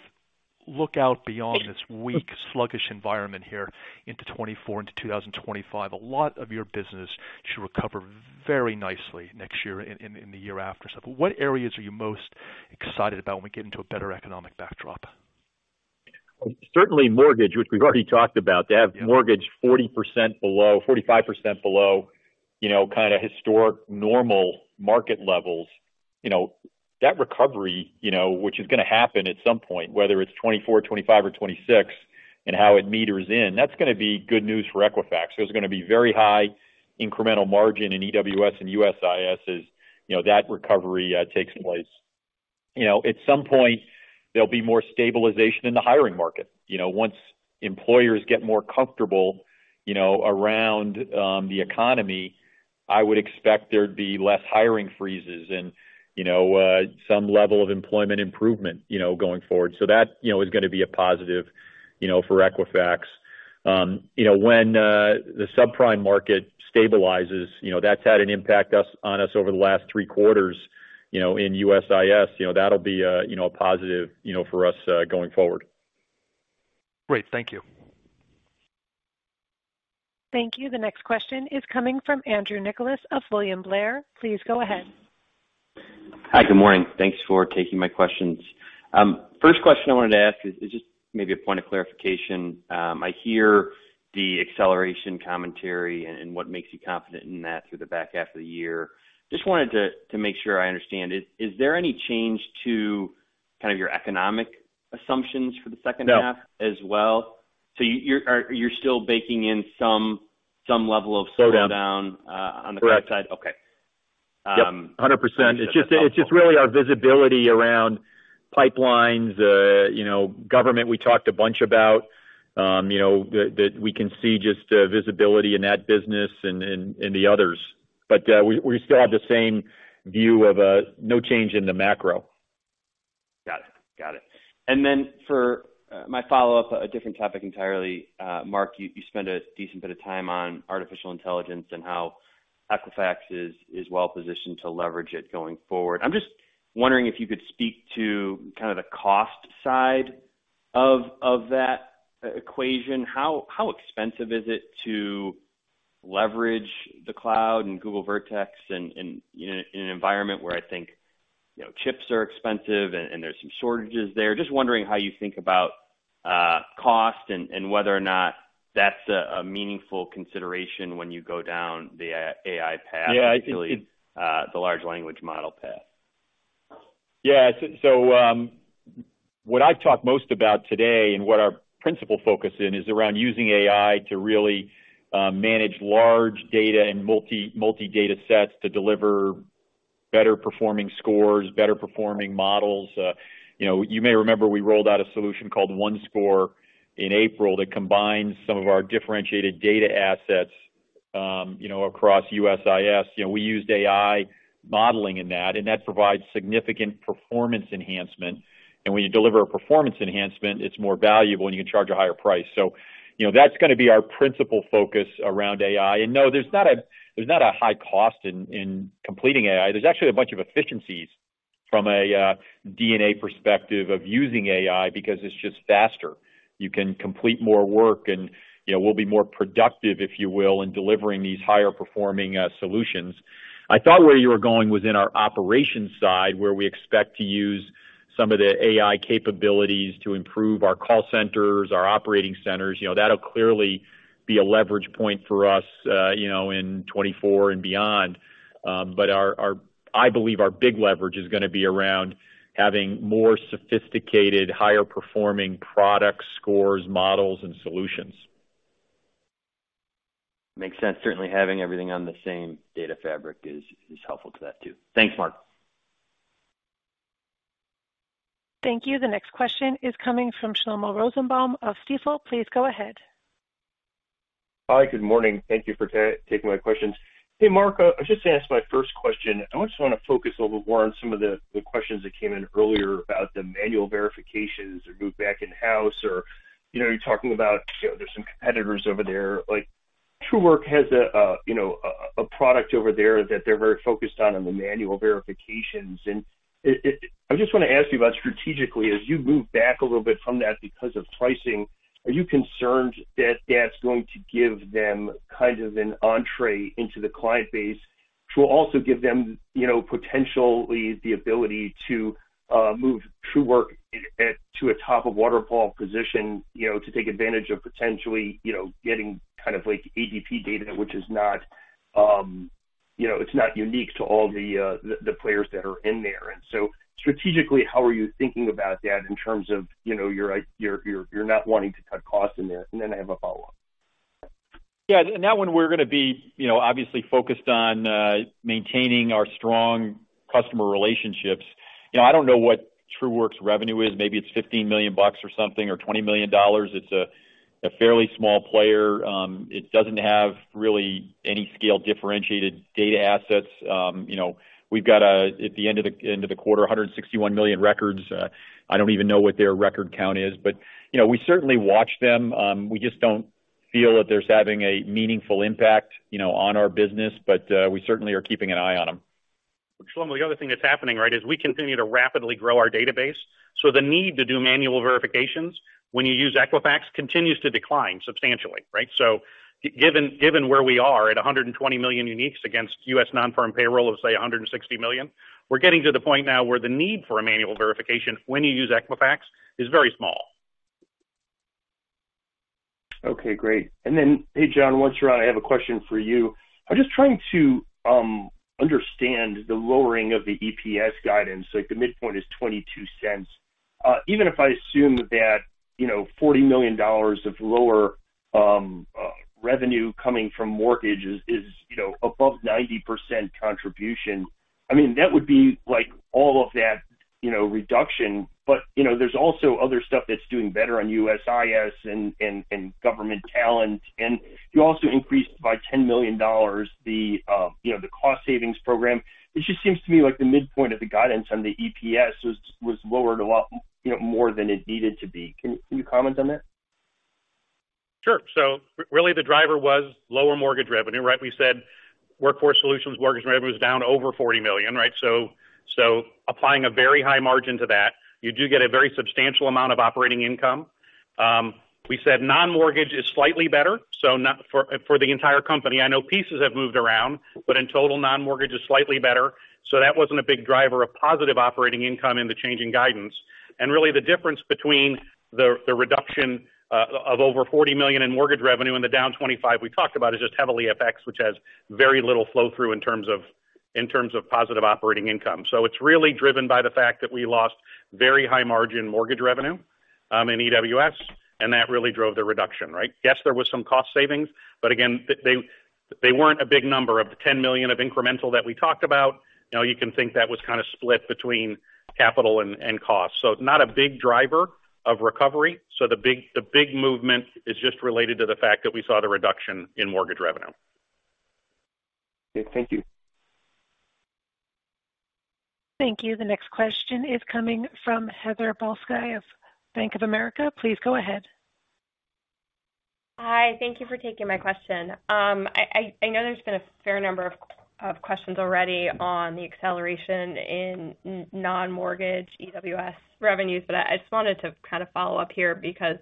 look out beyond this weak, sluggish environment here into 2024 into 2025, a lot of your business should recover very nicely next year and in the year after. What areas are you most excited about when we get into a better economic backdrop? Well, certainly mortgage, which we've already talked about. To have mortgage 45% below, you know, kind of historic, normal market levels, you know, that recovery, you know, which is gonna happen at some point, whether it's 2024, 2025 or 2026, and how it meters in, that's gonna be good news for Equifax. There's gonna be very high incremental margin in EWS and USIS, as, you know, that recovery takes place. You know, at some point, there'll be more stabilization in the hiring market. You know, once employers get more comfortable, you know, around the economy, I would expect there'd be less hiring freezes and, you know, some level of employment improvement, you know, going forward. That, you know, is gonna be a positive, you know, for Equifax. You know, when the subprime market stabilizes, you know, that's had an impact on us over the last three quarters, you know, in USIS, you know, that'll be a, you know, a positive, you know, for us going forward. Great. Thank you. Thank you. The next question is coming from Andrew Nicholas of William Blair. Please go ahead. Hi, good morning. Thanks for taking my questions. First question I wanted to ask is just maybe a point of clarification. I hear the acceleration commentary and what makes you confident in that through the back half of the year. Just wanted to make sure I understand. Is there any change to kind of your economic assumptions for the second half? No. as well? You're still baking in some level of... Slowdown. slowdown, on the back side? Correct. Okay. Yep, 100%. That's helpful. It's just really our visibility around pipelines, you know, government, we talked a bunch about, you know, that we can see just visibility in that business and the others. We still have the same view of no change in the macro. Got it. Then for my follow-up, a different topic entirely. Mark, you spent a decent bit of time on artificial intelligence and how Equifax is well positioned to leverage it going forward. I'm just wondering if you could speak to kind of the cost side of that equation. How expensive is it to leverage the cloud and Google Vertex and in an environment where I think, you know, chips are expensive and there's some shortages there. Just wondering how you think about cost and whether or not that's a meaningful consideration when you go down the AI path? Yeah, I think. the large language model path. Yeah. What I've talked most about today and what our principal focus in, is around using AI to really manage large data and multi-data sets to deliver better performing scores, better performing models. You know, you may remember we rolled out a solution called OneScore in April, that combines some of our differentiated data assets, you know, across USIS. You know, we used AI modeling in that, and that provides significant performance enhancement. When you deliver a performance enhancement, it's more valuable, and you can charge a higher price. You know, that's gonna be our principal focus around AI. No, there's not a high cost in completing AI. There's actually a bunch of efficiencies from a DNA perspective of using AI because it's just faster. You can complete more work and, you know, we'll be more productive, if you will, in delivering these higher performing solutions. I thought where you were going was in our operations side, where we expect to use some of the AI capabilities to improve our call centers, our operating centers. You know, that'll clearly be a leverage point for us, you know, in 24 and beyond. Our I believe our big leverage is gonna be around having more sophisticated, higher performing products, scores, models, and solutions. Makes sense. Certainly, having everything on the same Data Fabric is helpful to that too. Thanks, Mark. Thank you. The next question is coming from Shlomo Rosenbaum of Stifel. Please go ahead. Hi, good morning. Thank you for taking my questions. Hey, Mark, I should just ask my first question. I want to focus a little more on some of the questions that came in earlier about the manual verifications or move back in-house or, you know, you're talking about, you know, there's some competitors over there. Like, Truework has a, you know, a product over there that they're very focused on the manual verifications. I just wanna ask you about strategically, as you move back a little bit from that because of pricing, are you concerned that that's going to give them kind of an entree into the client base, which will also give them, you know, potentially the ability to move Truework to a top-of-waterfall position, you know, to take advantage of potentially, you know, getting kind of like ADP data, which is not, you know, it's not unique to all the players that are in there? Strategically, how are you thinking about that in terms of, you know, you're not wanting to cut costs in there? I have a follow-up. Yeah, that one we're going to be, you know, obviously focused on maintaining our strong customer relationships. You know, I don't know what Truework's revenue is. Maybe it's $15,000,000 or something, or $20,000,000. It's a fairly small player. It doesn't have really any scale differentiated data assets. You know, we've got a, at the end of the quarter, 161,000,000 records. I don't even know what their record count is, you know, we certainly watch them. We just don't feel that there's having a meaningful impact, you know, on our business, we certainly are keeping an eye on them. Well, the other thing that's happening, right, is we continue to rapidly grow our database. The need to do manual verifications when you use Equifax continues to decline substantially, right? Given where we are at 120,000,000 uniques against U.S. non-farm payroll of, say, 160,000,000, we're getting to the point now where the need for a manual verification when you use Equifax is very small. Okay, great. Hey, John, once you're on, I have a question for you. I'm just trying to understand the lowering of the EPS guidance. Like, the midpoint is $0.22. Even if I assume that, you know, $40,000,000of lower revenue coming from mortgages is, you know, above 90% contribution, I mean, that would be like all of that, you know, reduction. You know, there's also other stuff that's doing better on USIS and government talent, and you also increased by $10,000,000, the, you know, the cost savings program. It just seems to me like the midpoint of the guidance on the EPS was lowered a lot, you know, more than it needed to be. Can you comment on that? Sure. Really, the driver was lower mortgage revenue, right? We said Workforce Solutions, mortgage revenue is down over $40,000,000, right? Applying a very high margin to that, you do get a very substantial amount of operating income. We said non-mortgage is slightly better, so not for the entire company. I know pieces have moved around, but in total, non-mortgage is slightly better. That wasn't a big driver of positive operating income in the changing guidance. Really, the difference between the reduction of over $40,000,000 in mortgage revenue and the down $25 we talked about is just heavily FX, which has very little flow through in terms of positive operating income. It's really driven by the fact that we lost very high-margin mortgage revenue in EWS, and that really drove the reduction, right? Yes, there was some cost savings. Again, they weren't a big number of $10,000,000 of incremental that we talked about. You can think that was kind of split between capital and cost. Not a big driver of recovery. The big movement is just related to the fact that we saw the reduction in mortgage revenue. Okay. Thank you. Thank you. The next question is coming from Heather Balsky of Bank of America. Please go ahead. Hi, thank you for taking my question. I, I know there's been a fair number of questions already on the acceleration in non-mortgage EWS revenues, but I just wanted to kind of follow up here because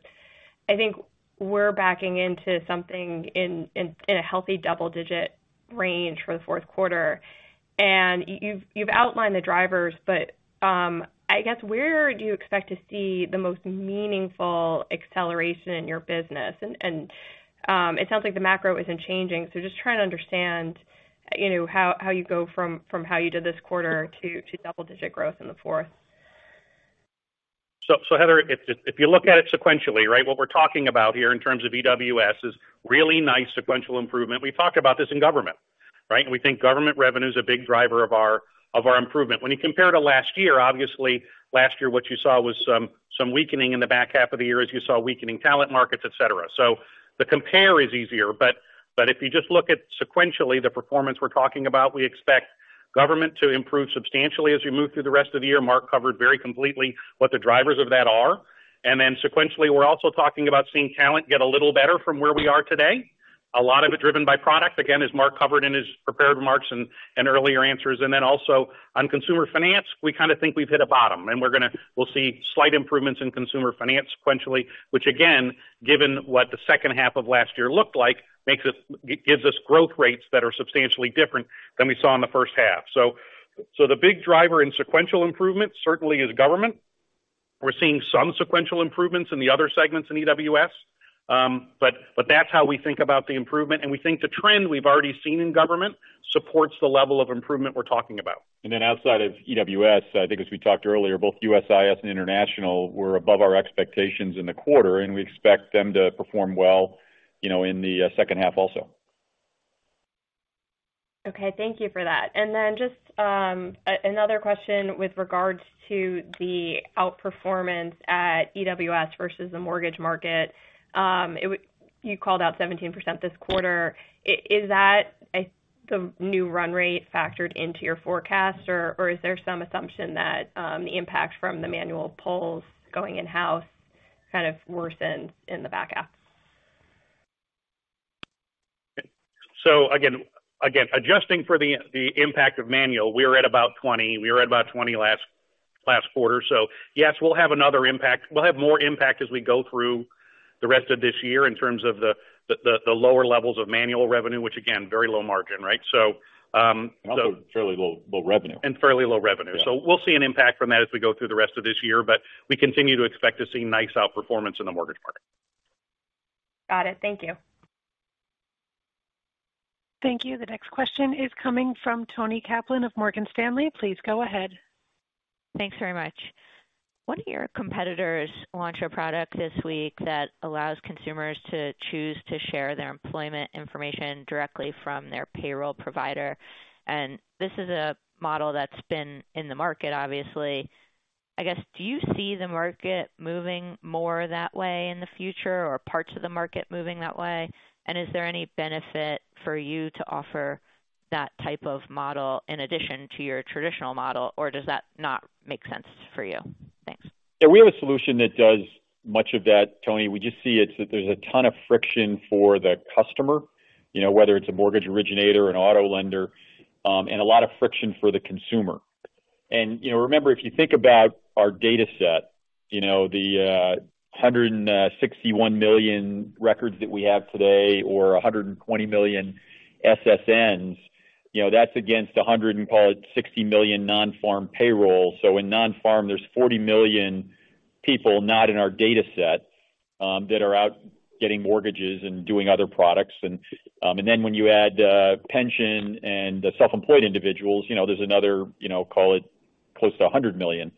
I think we're backing into something in, in a healthy double-digit range for the fourth quarter. You've, you've outlined the drivers, but I guess, where do you expect to see the most meaningful acceleration in your business? It sounds like the macro isn't changing, so just trying to understand, you know, how you go from how you did this quarter to double-digit growth in the fourth. Heather, if you look at it sequentially, right? What we're talking about here in terms of EWS is really nice sequential improvement. We talked about this in government, right? We think government revenue is a big driver of our improvement. When you compare to last year, obviously last year, what you saw was some weakening in the back half of the year as you saw weakening talent markets, et cetera. The compare is easier, but if you just look at sequentially, the performance we're talking about, we expect government to improve substantially as we move through the rest of the year. Mark covered very completely what the drivers of that are. Then sequentially, we're also talking about seeing talent get a little better from where we are today. A lot of it driven by product, again, as Mark covered in his prepared remarks and earlier answers. Also on consumer finance, we kind of think we've hit a bottom, and we'll see slight improvements in consumer finance sequentially, which again, given what the second half of last year looked like, gives us growth rates that are substantially different than we saw in the first half. The big driver in sequential improvement certainly is government. We're seeing some sequential improvements in the other segments in EWS, but that's how we think about the improvement, and we think the trend we've already seen in government supports the level of improvement we're talking about. Outside of EWS, I think as we talked earlier, both USIS and international were above our expectations in the quarter, and we expect them to perform well, you know, in the second half also. Thank you for that. Then just another question with regards to the outperformance at EWS versus the mortgage market. You called out 17% this quarter. Is that a, the new run rate factored into your forecast, or is there some assumption that the impact from the manual pulls going in-house kind of worsened in the back half? Again, adjusting for the impact of manual, we are at about 20. We were at about 20 last quarter. Yes, we'll have another impact. We'll have more impact as we go through the rest of this year in terms of the lower levels of manual revenue, which again, very low margin, right? Also fairly low, low revenue. Fairly low revenue. Yeah. We'll see an impact from that as we go through the rest of this year, but we continue to expect to see nice outperformance in the mortgage market. Got it. Thank you. Thank you. The next question is coming from Toni Kaplan of Morgan Stanley. Please go ahead. Thanks very much. One of your competitors launched a product this week that allows consumers to choose to share their employment information directly from their payroll provider, and this is a model that's been in the market, obviously. I guess, do you see the market moving more that way in the future or parts of the market moving that way? Is there any benefit for you to offer that type of model in addition to your traditional model, or does that not make sense for you? Thanks. Yeah, we have a solution that does much of that, Toni. We just see it that there's a ton of friction for the customer, you know, whether it's a mortgage originator, an auto lender, and a lot of friction for the consumer. Remember, if you think about our data set, you know, the 161,000,000 records that we have today, or 120,000,000 SSNs, you know, that's against a 160,000,000 non-farm payroll. In non-farm, there's 40,000,000 people not in our data set, that are out getting mortgages and doing other products. Then when you add pension and the self-employed individuals, you know, there's another, you know, call it, close to 100,000,000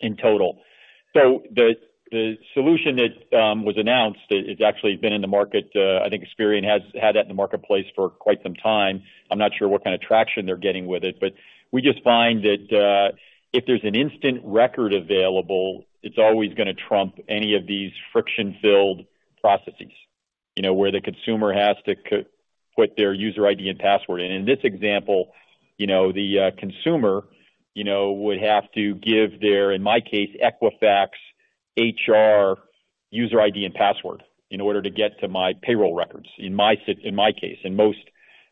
in total. The solution that was announced, it's actually been in the market. I think Experian has had that in the marketplace for quite some time. I'm not sure what kind of traction they're getting with it, but we just find that if there's an instant record available, it's always going to trump any of these friction-filled processes, you know, where the consumer has to put their user ID and password in. In this example, you know, the consumer, you know, would have to give their, in my case, Equifax HR user ID and password in order to get to my payroll records, in my case. Most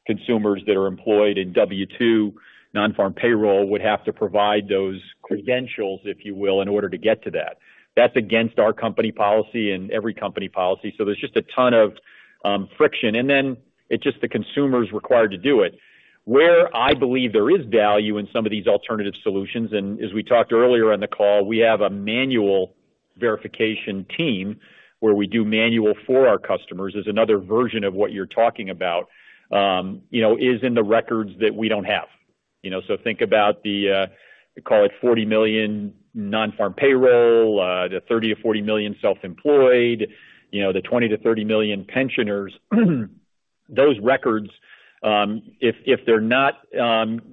consumers that are employed in W-2, non-farm payroll, would have to provide those credentials, if you will, in order to get to that. That's against our company policy and every company policy, there's just a ton of friction, and then it's just the consumer's required to do it. Where I believe there is value in some of these alternative solutions, and as we talked earlier in the call, we have a manual verification team where we do manual for our customers, is another version of what you're talking about, you know, is in the records that we don't have. You know, think about the, call it 40,000,000 non-farm payroll, the 30,000,000-40,000,000self-employed, you know, the 20,000,000-30,000,000 pensioners. Those records, if they're not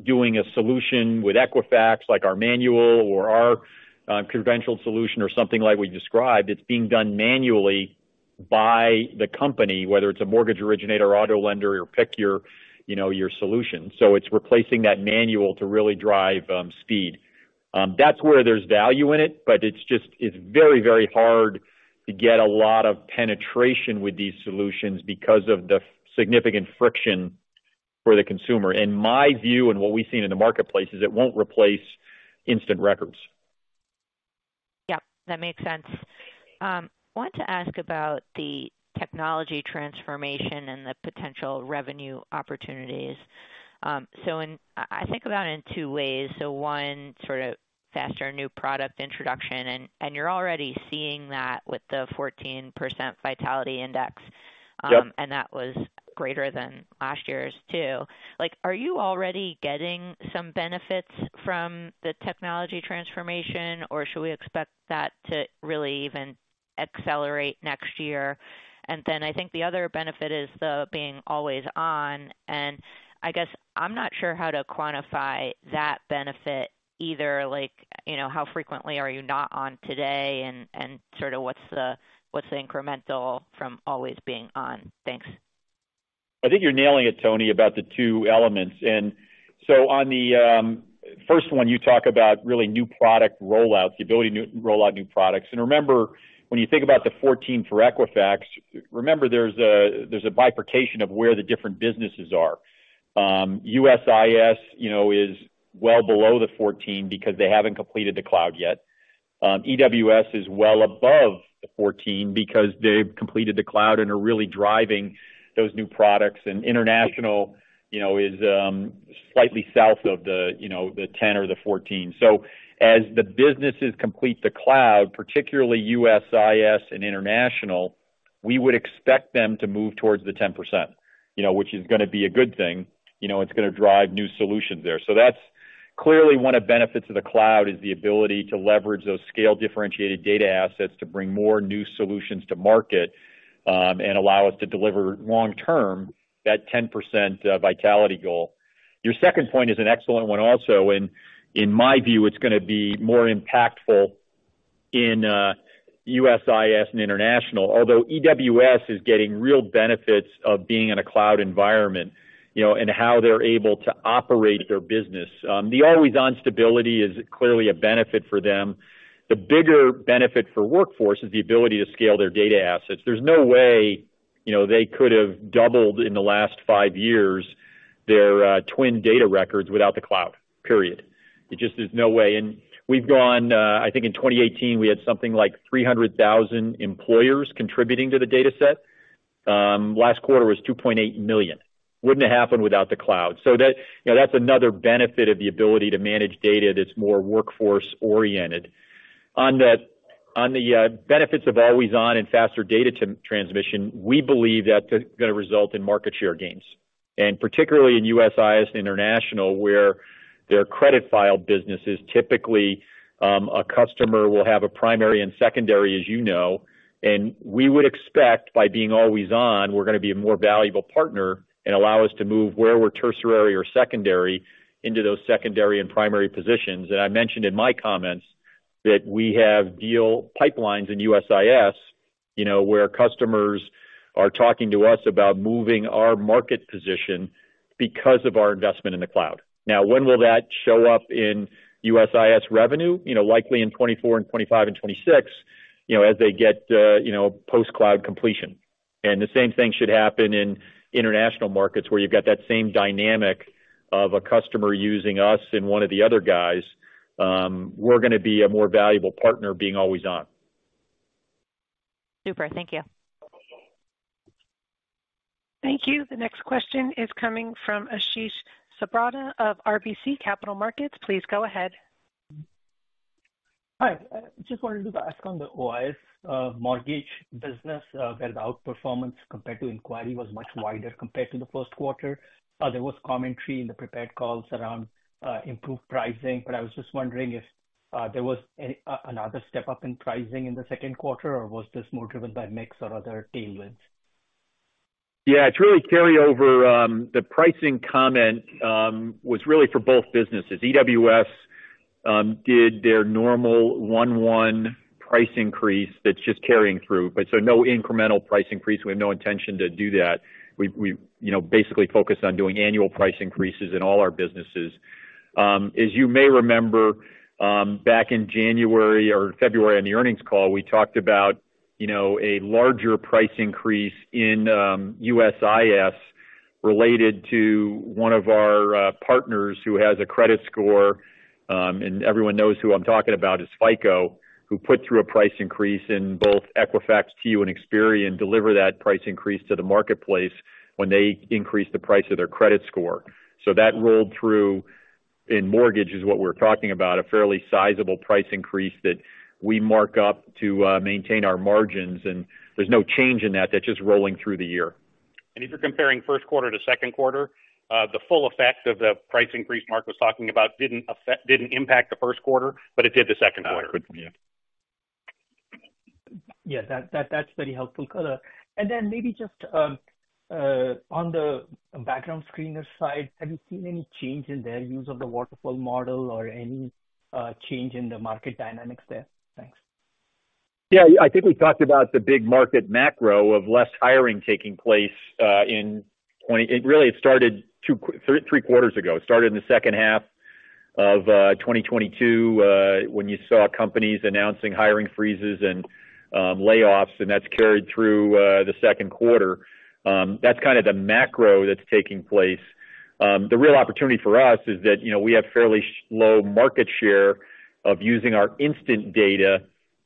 doing a solution with Equifax, like our manual or our conventional solution or something like we described, it's being done manually by the company, whether it's a mortgage originator, auto lender, or pick your, you know, your solution. It's replacing that manual to really drive speed. That's where there's value in it, but it's very, very hard to get a lot of penetration with these solutions because of the significant friction for the consumer. In my view, and what we've seen in the marketplace, is it won't replace instant records. Yep, that makes sense. I want to ask about the technology transformation and the potential revenue opportunities. I think about it in two ways. One, sort of faster new product introduction, and you're already seeing that with the 14% Vitality Index. Yep. That was greater than last year's, too? Like, are you already getting some benefits from the technology transformation, or should we expect that to really even accelerate next year? I think the other benefit is the being always on, and I guess I'm not sure how to quantify that benefit either? Like, you know, how frequently are you not on today, and sort of what's the incremental from always being on? Thanks. I think you're nailing it, Toni, about the 2 elements. On the first one, you talk about really new product rollouts, the ability to roll out new products. Remember, when you think about the 14 for Equifax, remember, there's a bifurcation of where the different businesses are. USIS, you know, is well below the 14 because they haven't completed the cloud yet. EWS is well above the 14 because they've completed the cloud and are really driving those new products. International, you know, is slightly south of the, you know, the 10 or the 14. As the businesses complete the cloud, particularly USIS and International, we would expect them to move towards the 10%, you know, which is going to be a good thing. You know, it's going to drive new solutions there. That's clearly one of benefits of the cloud, is the ability to leverage those scale differentiated data assets to bring more new solutions to market, and allow us to deliver long term that 10% Vitality goal. Your second point is an excellent one also, and in my view, it's going to be more impactful in USIS and International, although EWS is getting real benefits of being in a cloud environment, you know, and how they're able to operate their business. The always-on stability is clearly a benefit for them. The bigger benefit for Workforce is the ability to scale their data assets. There's no way, you know, they could have doubled in the last five years, their TWN data records without the cloud, period. There just is no way. We've gone, I think in 2018, we had something like 300,000 employers contributing to the data set. Last quarter was 2,800,000. Wouldn't have happened without the Cloud. That, you know, that's another benefit of the ability to manage data that's more workforce-oriented. On the benefits of always on and faster data transmission, we believe that's gonna result in market share gains, and particularly in USIS International, where their credit file businesses, typically, a customer will have a primary and secondary, as you know, and we would expect by being always on, we're gonna be a more valuable partner and allow us to move where we're tertiary or secondary into those secondary and primary positions. I mentioned in my comments that we have deal pipelines in USIS, you know, where customers are talking to us about moving our market position because of our investment in the cloud. When will that show up in USIS revenue? You know, likely in 2024 and 2025 and 2026, you know, as they get, you know, post-cloud completion. The same thing should happen in international markets, where you've got that same dynamic of a customer using us and one of the other guys. We're gonna be a more valuable partner being always on. Super. Thank you. Thank you. The next question is coming from Ashish Sabadra of RBC Capital Markets. Please go ahead. Hi, I just wanted to ask on the USIS mortgage business, where the outperformance compared to inquiry was much wider compared to the first quarter. There was commentary in the prepared calls around improved pricing, but I was just wondering if there was another step up in pricing in the second quarter, or was this more driven by mix or other tailwinds? Yeah, it's really carryover. The pricing comment was really for both businesses. EWS did their normal 1/1 price increase that's just carrying through, but so no incremental price increase. We have no intention to do that. We've, you know, basically focused on doing annual price increases in all our businesses. As you may remember, back in January or February on the earnings call, we talked about, you know, a larger price increase in USIS related to one of our partners who has a credit score, and everyone knows who I'm talking about, is FICO, who put through a price increase in both Equifax, TU, and Experian, deliver that price increase to the marketplace when they increase the price of their credit score. That rolled through in mortgage, is what we're talking about, a fairly sizable price increase that we mark up to maintain our margins, and there's no change in that. That's just rolling through the year. If you're comparing first quarter to second quarter, the full effect of the price increase Mark was talking about didn't impact the first quarter, but it did the second quarter. Good, yeah. Yeah, that's very helpful, color. Maybe just on the background screener side, have you seen any change in their use of the waterfall model or any change in the market dynamics there? Thanks. I think we talked about the big market macro of less hiring taking place. It really started three quarters ago. It started in the second half of 2022, when you saw companies announcing hiring freezes and layoffs, and that's carried through the second quarter. That's kind of the macro that's taking place. The real opportunity for us is that, you know, we have fairly low market share of using our instant data,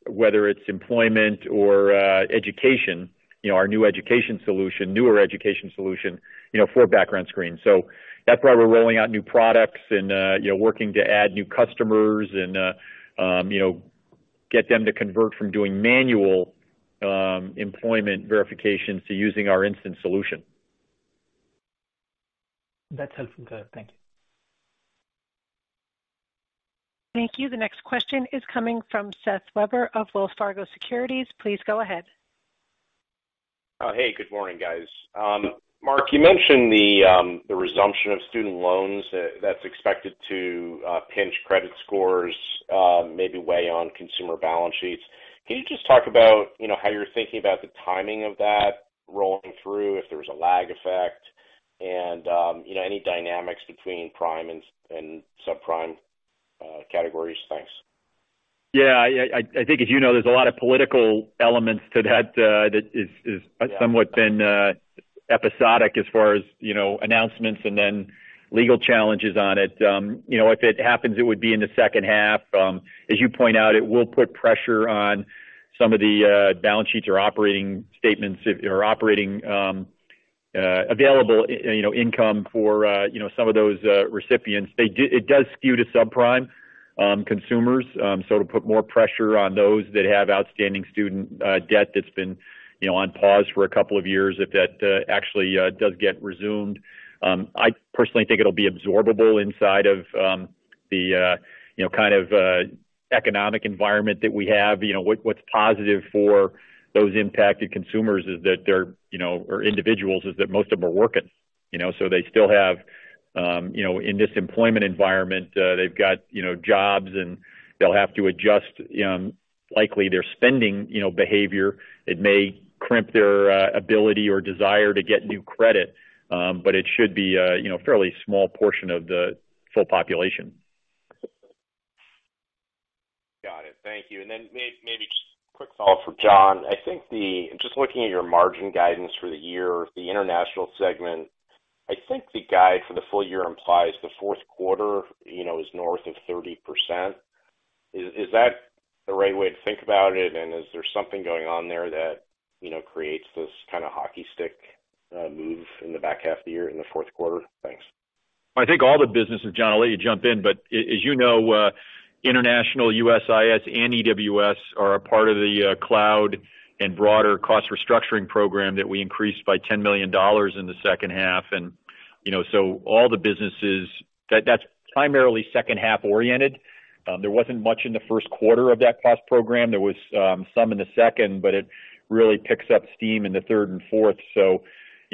whether it's employment or education, you know, our new education solution, newer education solution, you know, for background screen. That's why we're rolling out new products and, you know, working to add new customers and, you know, get them to convert from doing manual employment verification to using our instant solution. That's helpful, color. Thank you. Thank you. The next question is coming from Seth Weber of Wells Fargo Securities. Please go ahead. Hey, good morning, guys. Mark, you mentioned the resumption of student loans, that's expected to pinch credit scores, maybe weigh on consumer balance sheets. Can you just talk about, you know, how you're thinking about the timing of that rolling through, if there was a lag effect and, you know, any dynamics between prime and subprime categories? Thanks. Yeah, I think, as you know, there's a lot of political elements to that is. Yeah Somewhat been episodic as far as, you know, announcements and then legal challenges on it. You know, if it happens, it would be in the second half. As you point out, it will put pressure on some of the balance sheets or operating statements or operating available in, you know, income for, you know, some of those recipients. It does skew to subprime consumers, so it'll put more pressure on those that have outstanding student debt that's been, you know, on pause for a couple of years, if that actually does get resumed. I personally think it'll be absorbable inside of the, you know, kind of, economic environment that we have. You know, what's positive for those impacted consumers is that they're, you know, or individuals, is that most of them are working, you know, so they still have, you know, in this employment environment, they've got, you know, jobs, and they'll have to adjust, likely their spending, you know, behavior. It may crimp their ability or desire to get new credit, but it should be a, you know, fairly small portion of the full population. Got it. Thank you. Maybe just a quick follow-up for John. I think just looking at your margin guidance for the year, the international segment, I think the guide for the full year implies the fourth quarter, you know, is north of 30%. Is that the right way to think about it? Is there something going on there that, you know, creates this kind of hockey stick move in the back half of the year, in the fourth quarter? Thanks. I think all the businesses, John, I'll let you jump in, but as you know, international, USIS, and EWS are a part of the cloud and broader cost restructuring program that we increased by $10,000,000 in the second half. You know, so all the businesses, that's primarily second-half oriented. There wasn't much in the first quarter of that cost program. There was some in the second, but it really picks up steam in the third and fourth, so, you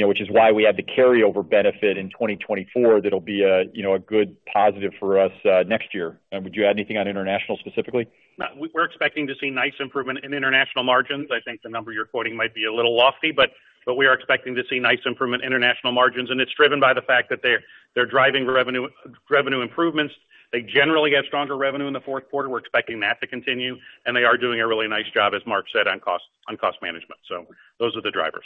know, which is why we had the carryover benefit in 2024. That'll be a, you know, a good positive for us next year. Would you add anything on international, specifically? No, we're expecting to see nice improvement in international margins. I think the number you're quoting might be a little lofty, but we are expecting to see nice improvement in international margins, and it's driven by the fact that they're driving revenue improvements. They generally have stronger revenue in the fourth quarter. We're expecting that to continue, and they are doing a really nice job, as Mark said, on cost management. Those are the drivers.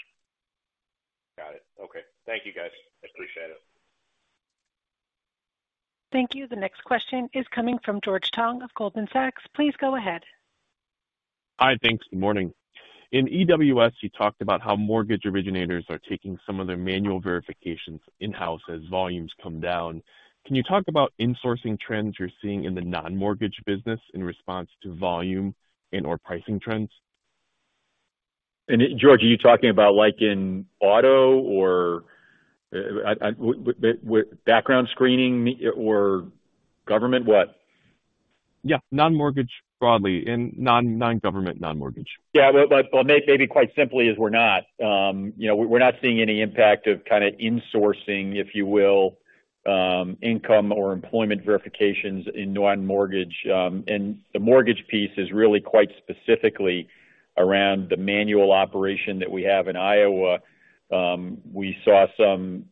Got it. Okay. Thank you, guys. I appreciate it. Thank you. The next question is coming from George Tong of Goldman Sachs. Please go ahead. Hi. Thanks. Good morning. In EWS, you talked about how mortgage originators are taking some of their manual verifications in-house as volumes come down. Can you talk about insourcing trends you're seeing in the non-mortgage business in response to volume and/or pricing trends? George, are you talking about, like, in auto or with background screening or government, what? Yeah, non-mortgage broadly and non-government, non-mortgage. Maybe quite simply, is we're not. You know, we're not seeing any impact of kind of insourcing, if you will, income or employment verifications in non-mortgage. The mortgage piece is really quite specifically around the manual operation that we have in Iowa. We saw some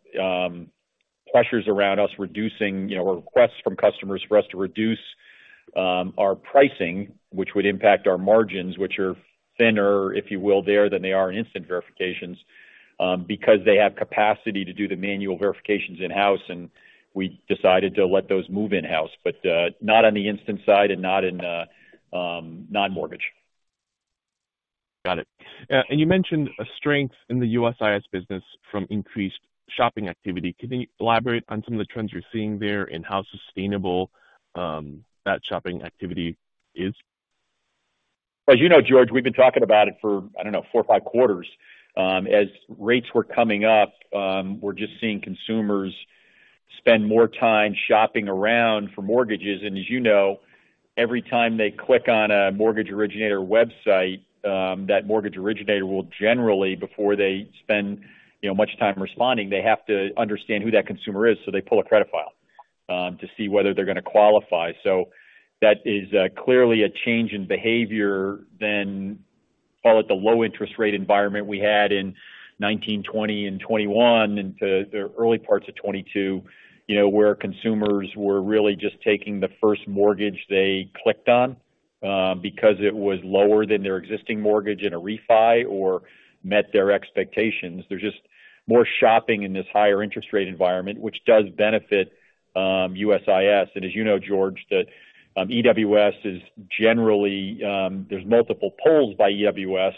pressures around us reducing, you know, requests from customers for us to reduce our pricing, which would impact our margins, which are thinner, if you will, there than they are in instant verifications, because they have capacity to do the manual verifications in-house, we decided to let those move in-house, not on the instant side and not in non-mortgage. Got it. You mentioned a strength in the USIS business from increased shopping activity. Can you elaborate on some of the trends you're seeing there and how sustainable, that shopping activity is? As you know, George, we've been talking about it for, I don't know, 4 or 5 quarters. As rates were coming up, we're just seeing consumers spend more time shopping around for mortgages. As you know, every time they click on a mortgage originator website, that mortgage originator will generally, before they spend, you know, much time responding, they have to understand who that consumer is, so they pull a credit file to see whether they're going to qualify. That is clearly a change in behavior than call it the low interest rate environment we had in 2019, 2020 and 2021 into the early parts of 2022, you know, where consumers were really just taking the first mortgage they clicked on, because it was lower than their existing mortgage in a refi or met their expectations. There's just more shopping in this higher interest rate environment, which does benefit, USIS. As you know, George, that EWS is generally, there's multiple polls by EWS.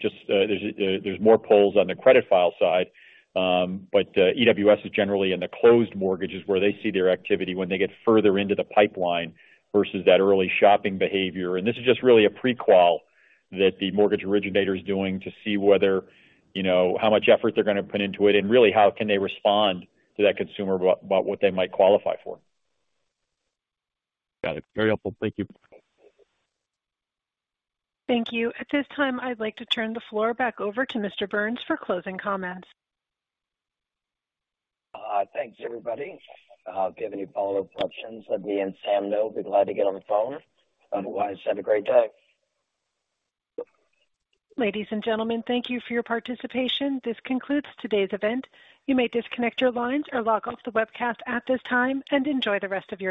just, there's more polls on the credit file side. but EWS is generally in the closed mortgages where they see their activity when they get further into the pipeline versus that early shopping behavior. This is just really a pre-qual that the mortgage originator is doing to see whether, you know, how much effort they're going to put into it, and really, how can they respond to that consumer about what they might qualify for. Got it. Very helpful. Thank you. Thank you. At this time, I'd like to turn the floor back over to Mr. Burns for closing comments. Thanks, everybody. If you have any follow-up questions, let me and Sam know. Be glad to get on the phone. Otherwise, have a great day. Ladies and gentlemen, thank you for your participation. This concludes today's event. You may disconnect your lines or log off the webcast at this time, and enjoy the rest of your day.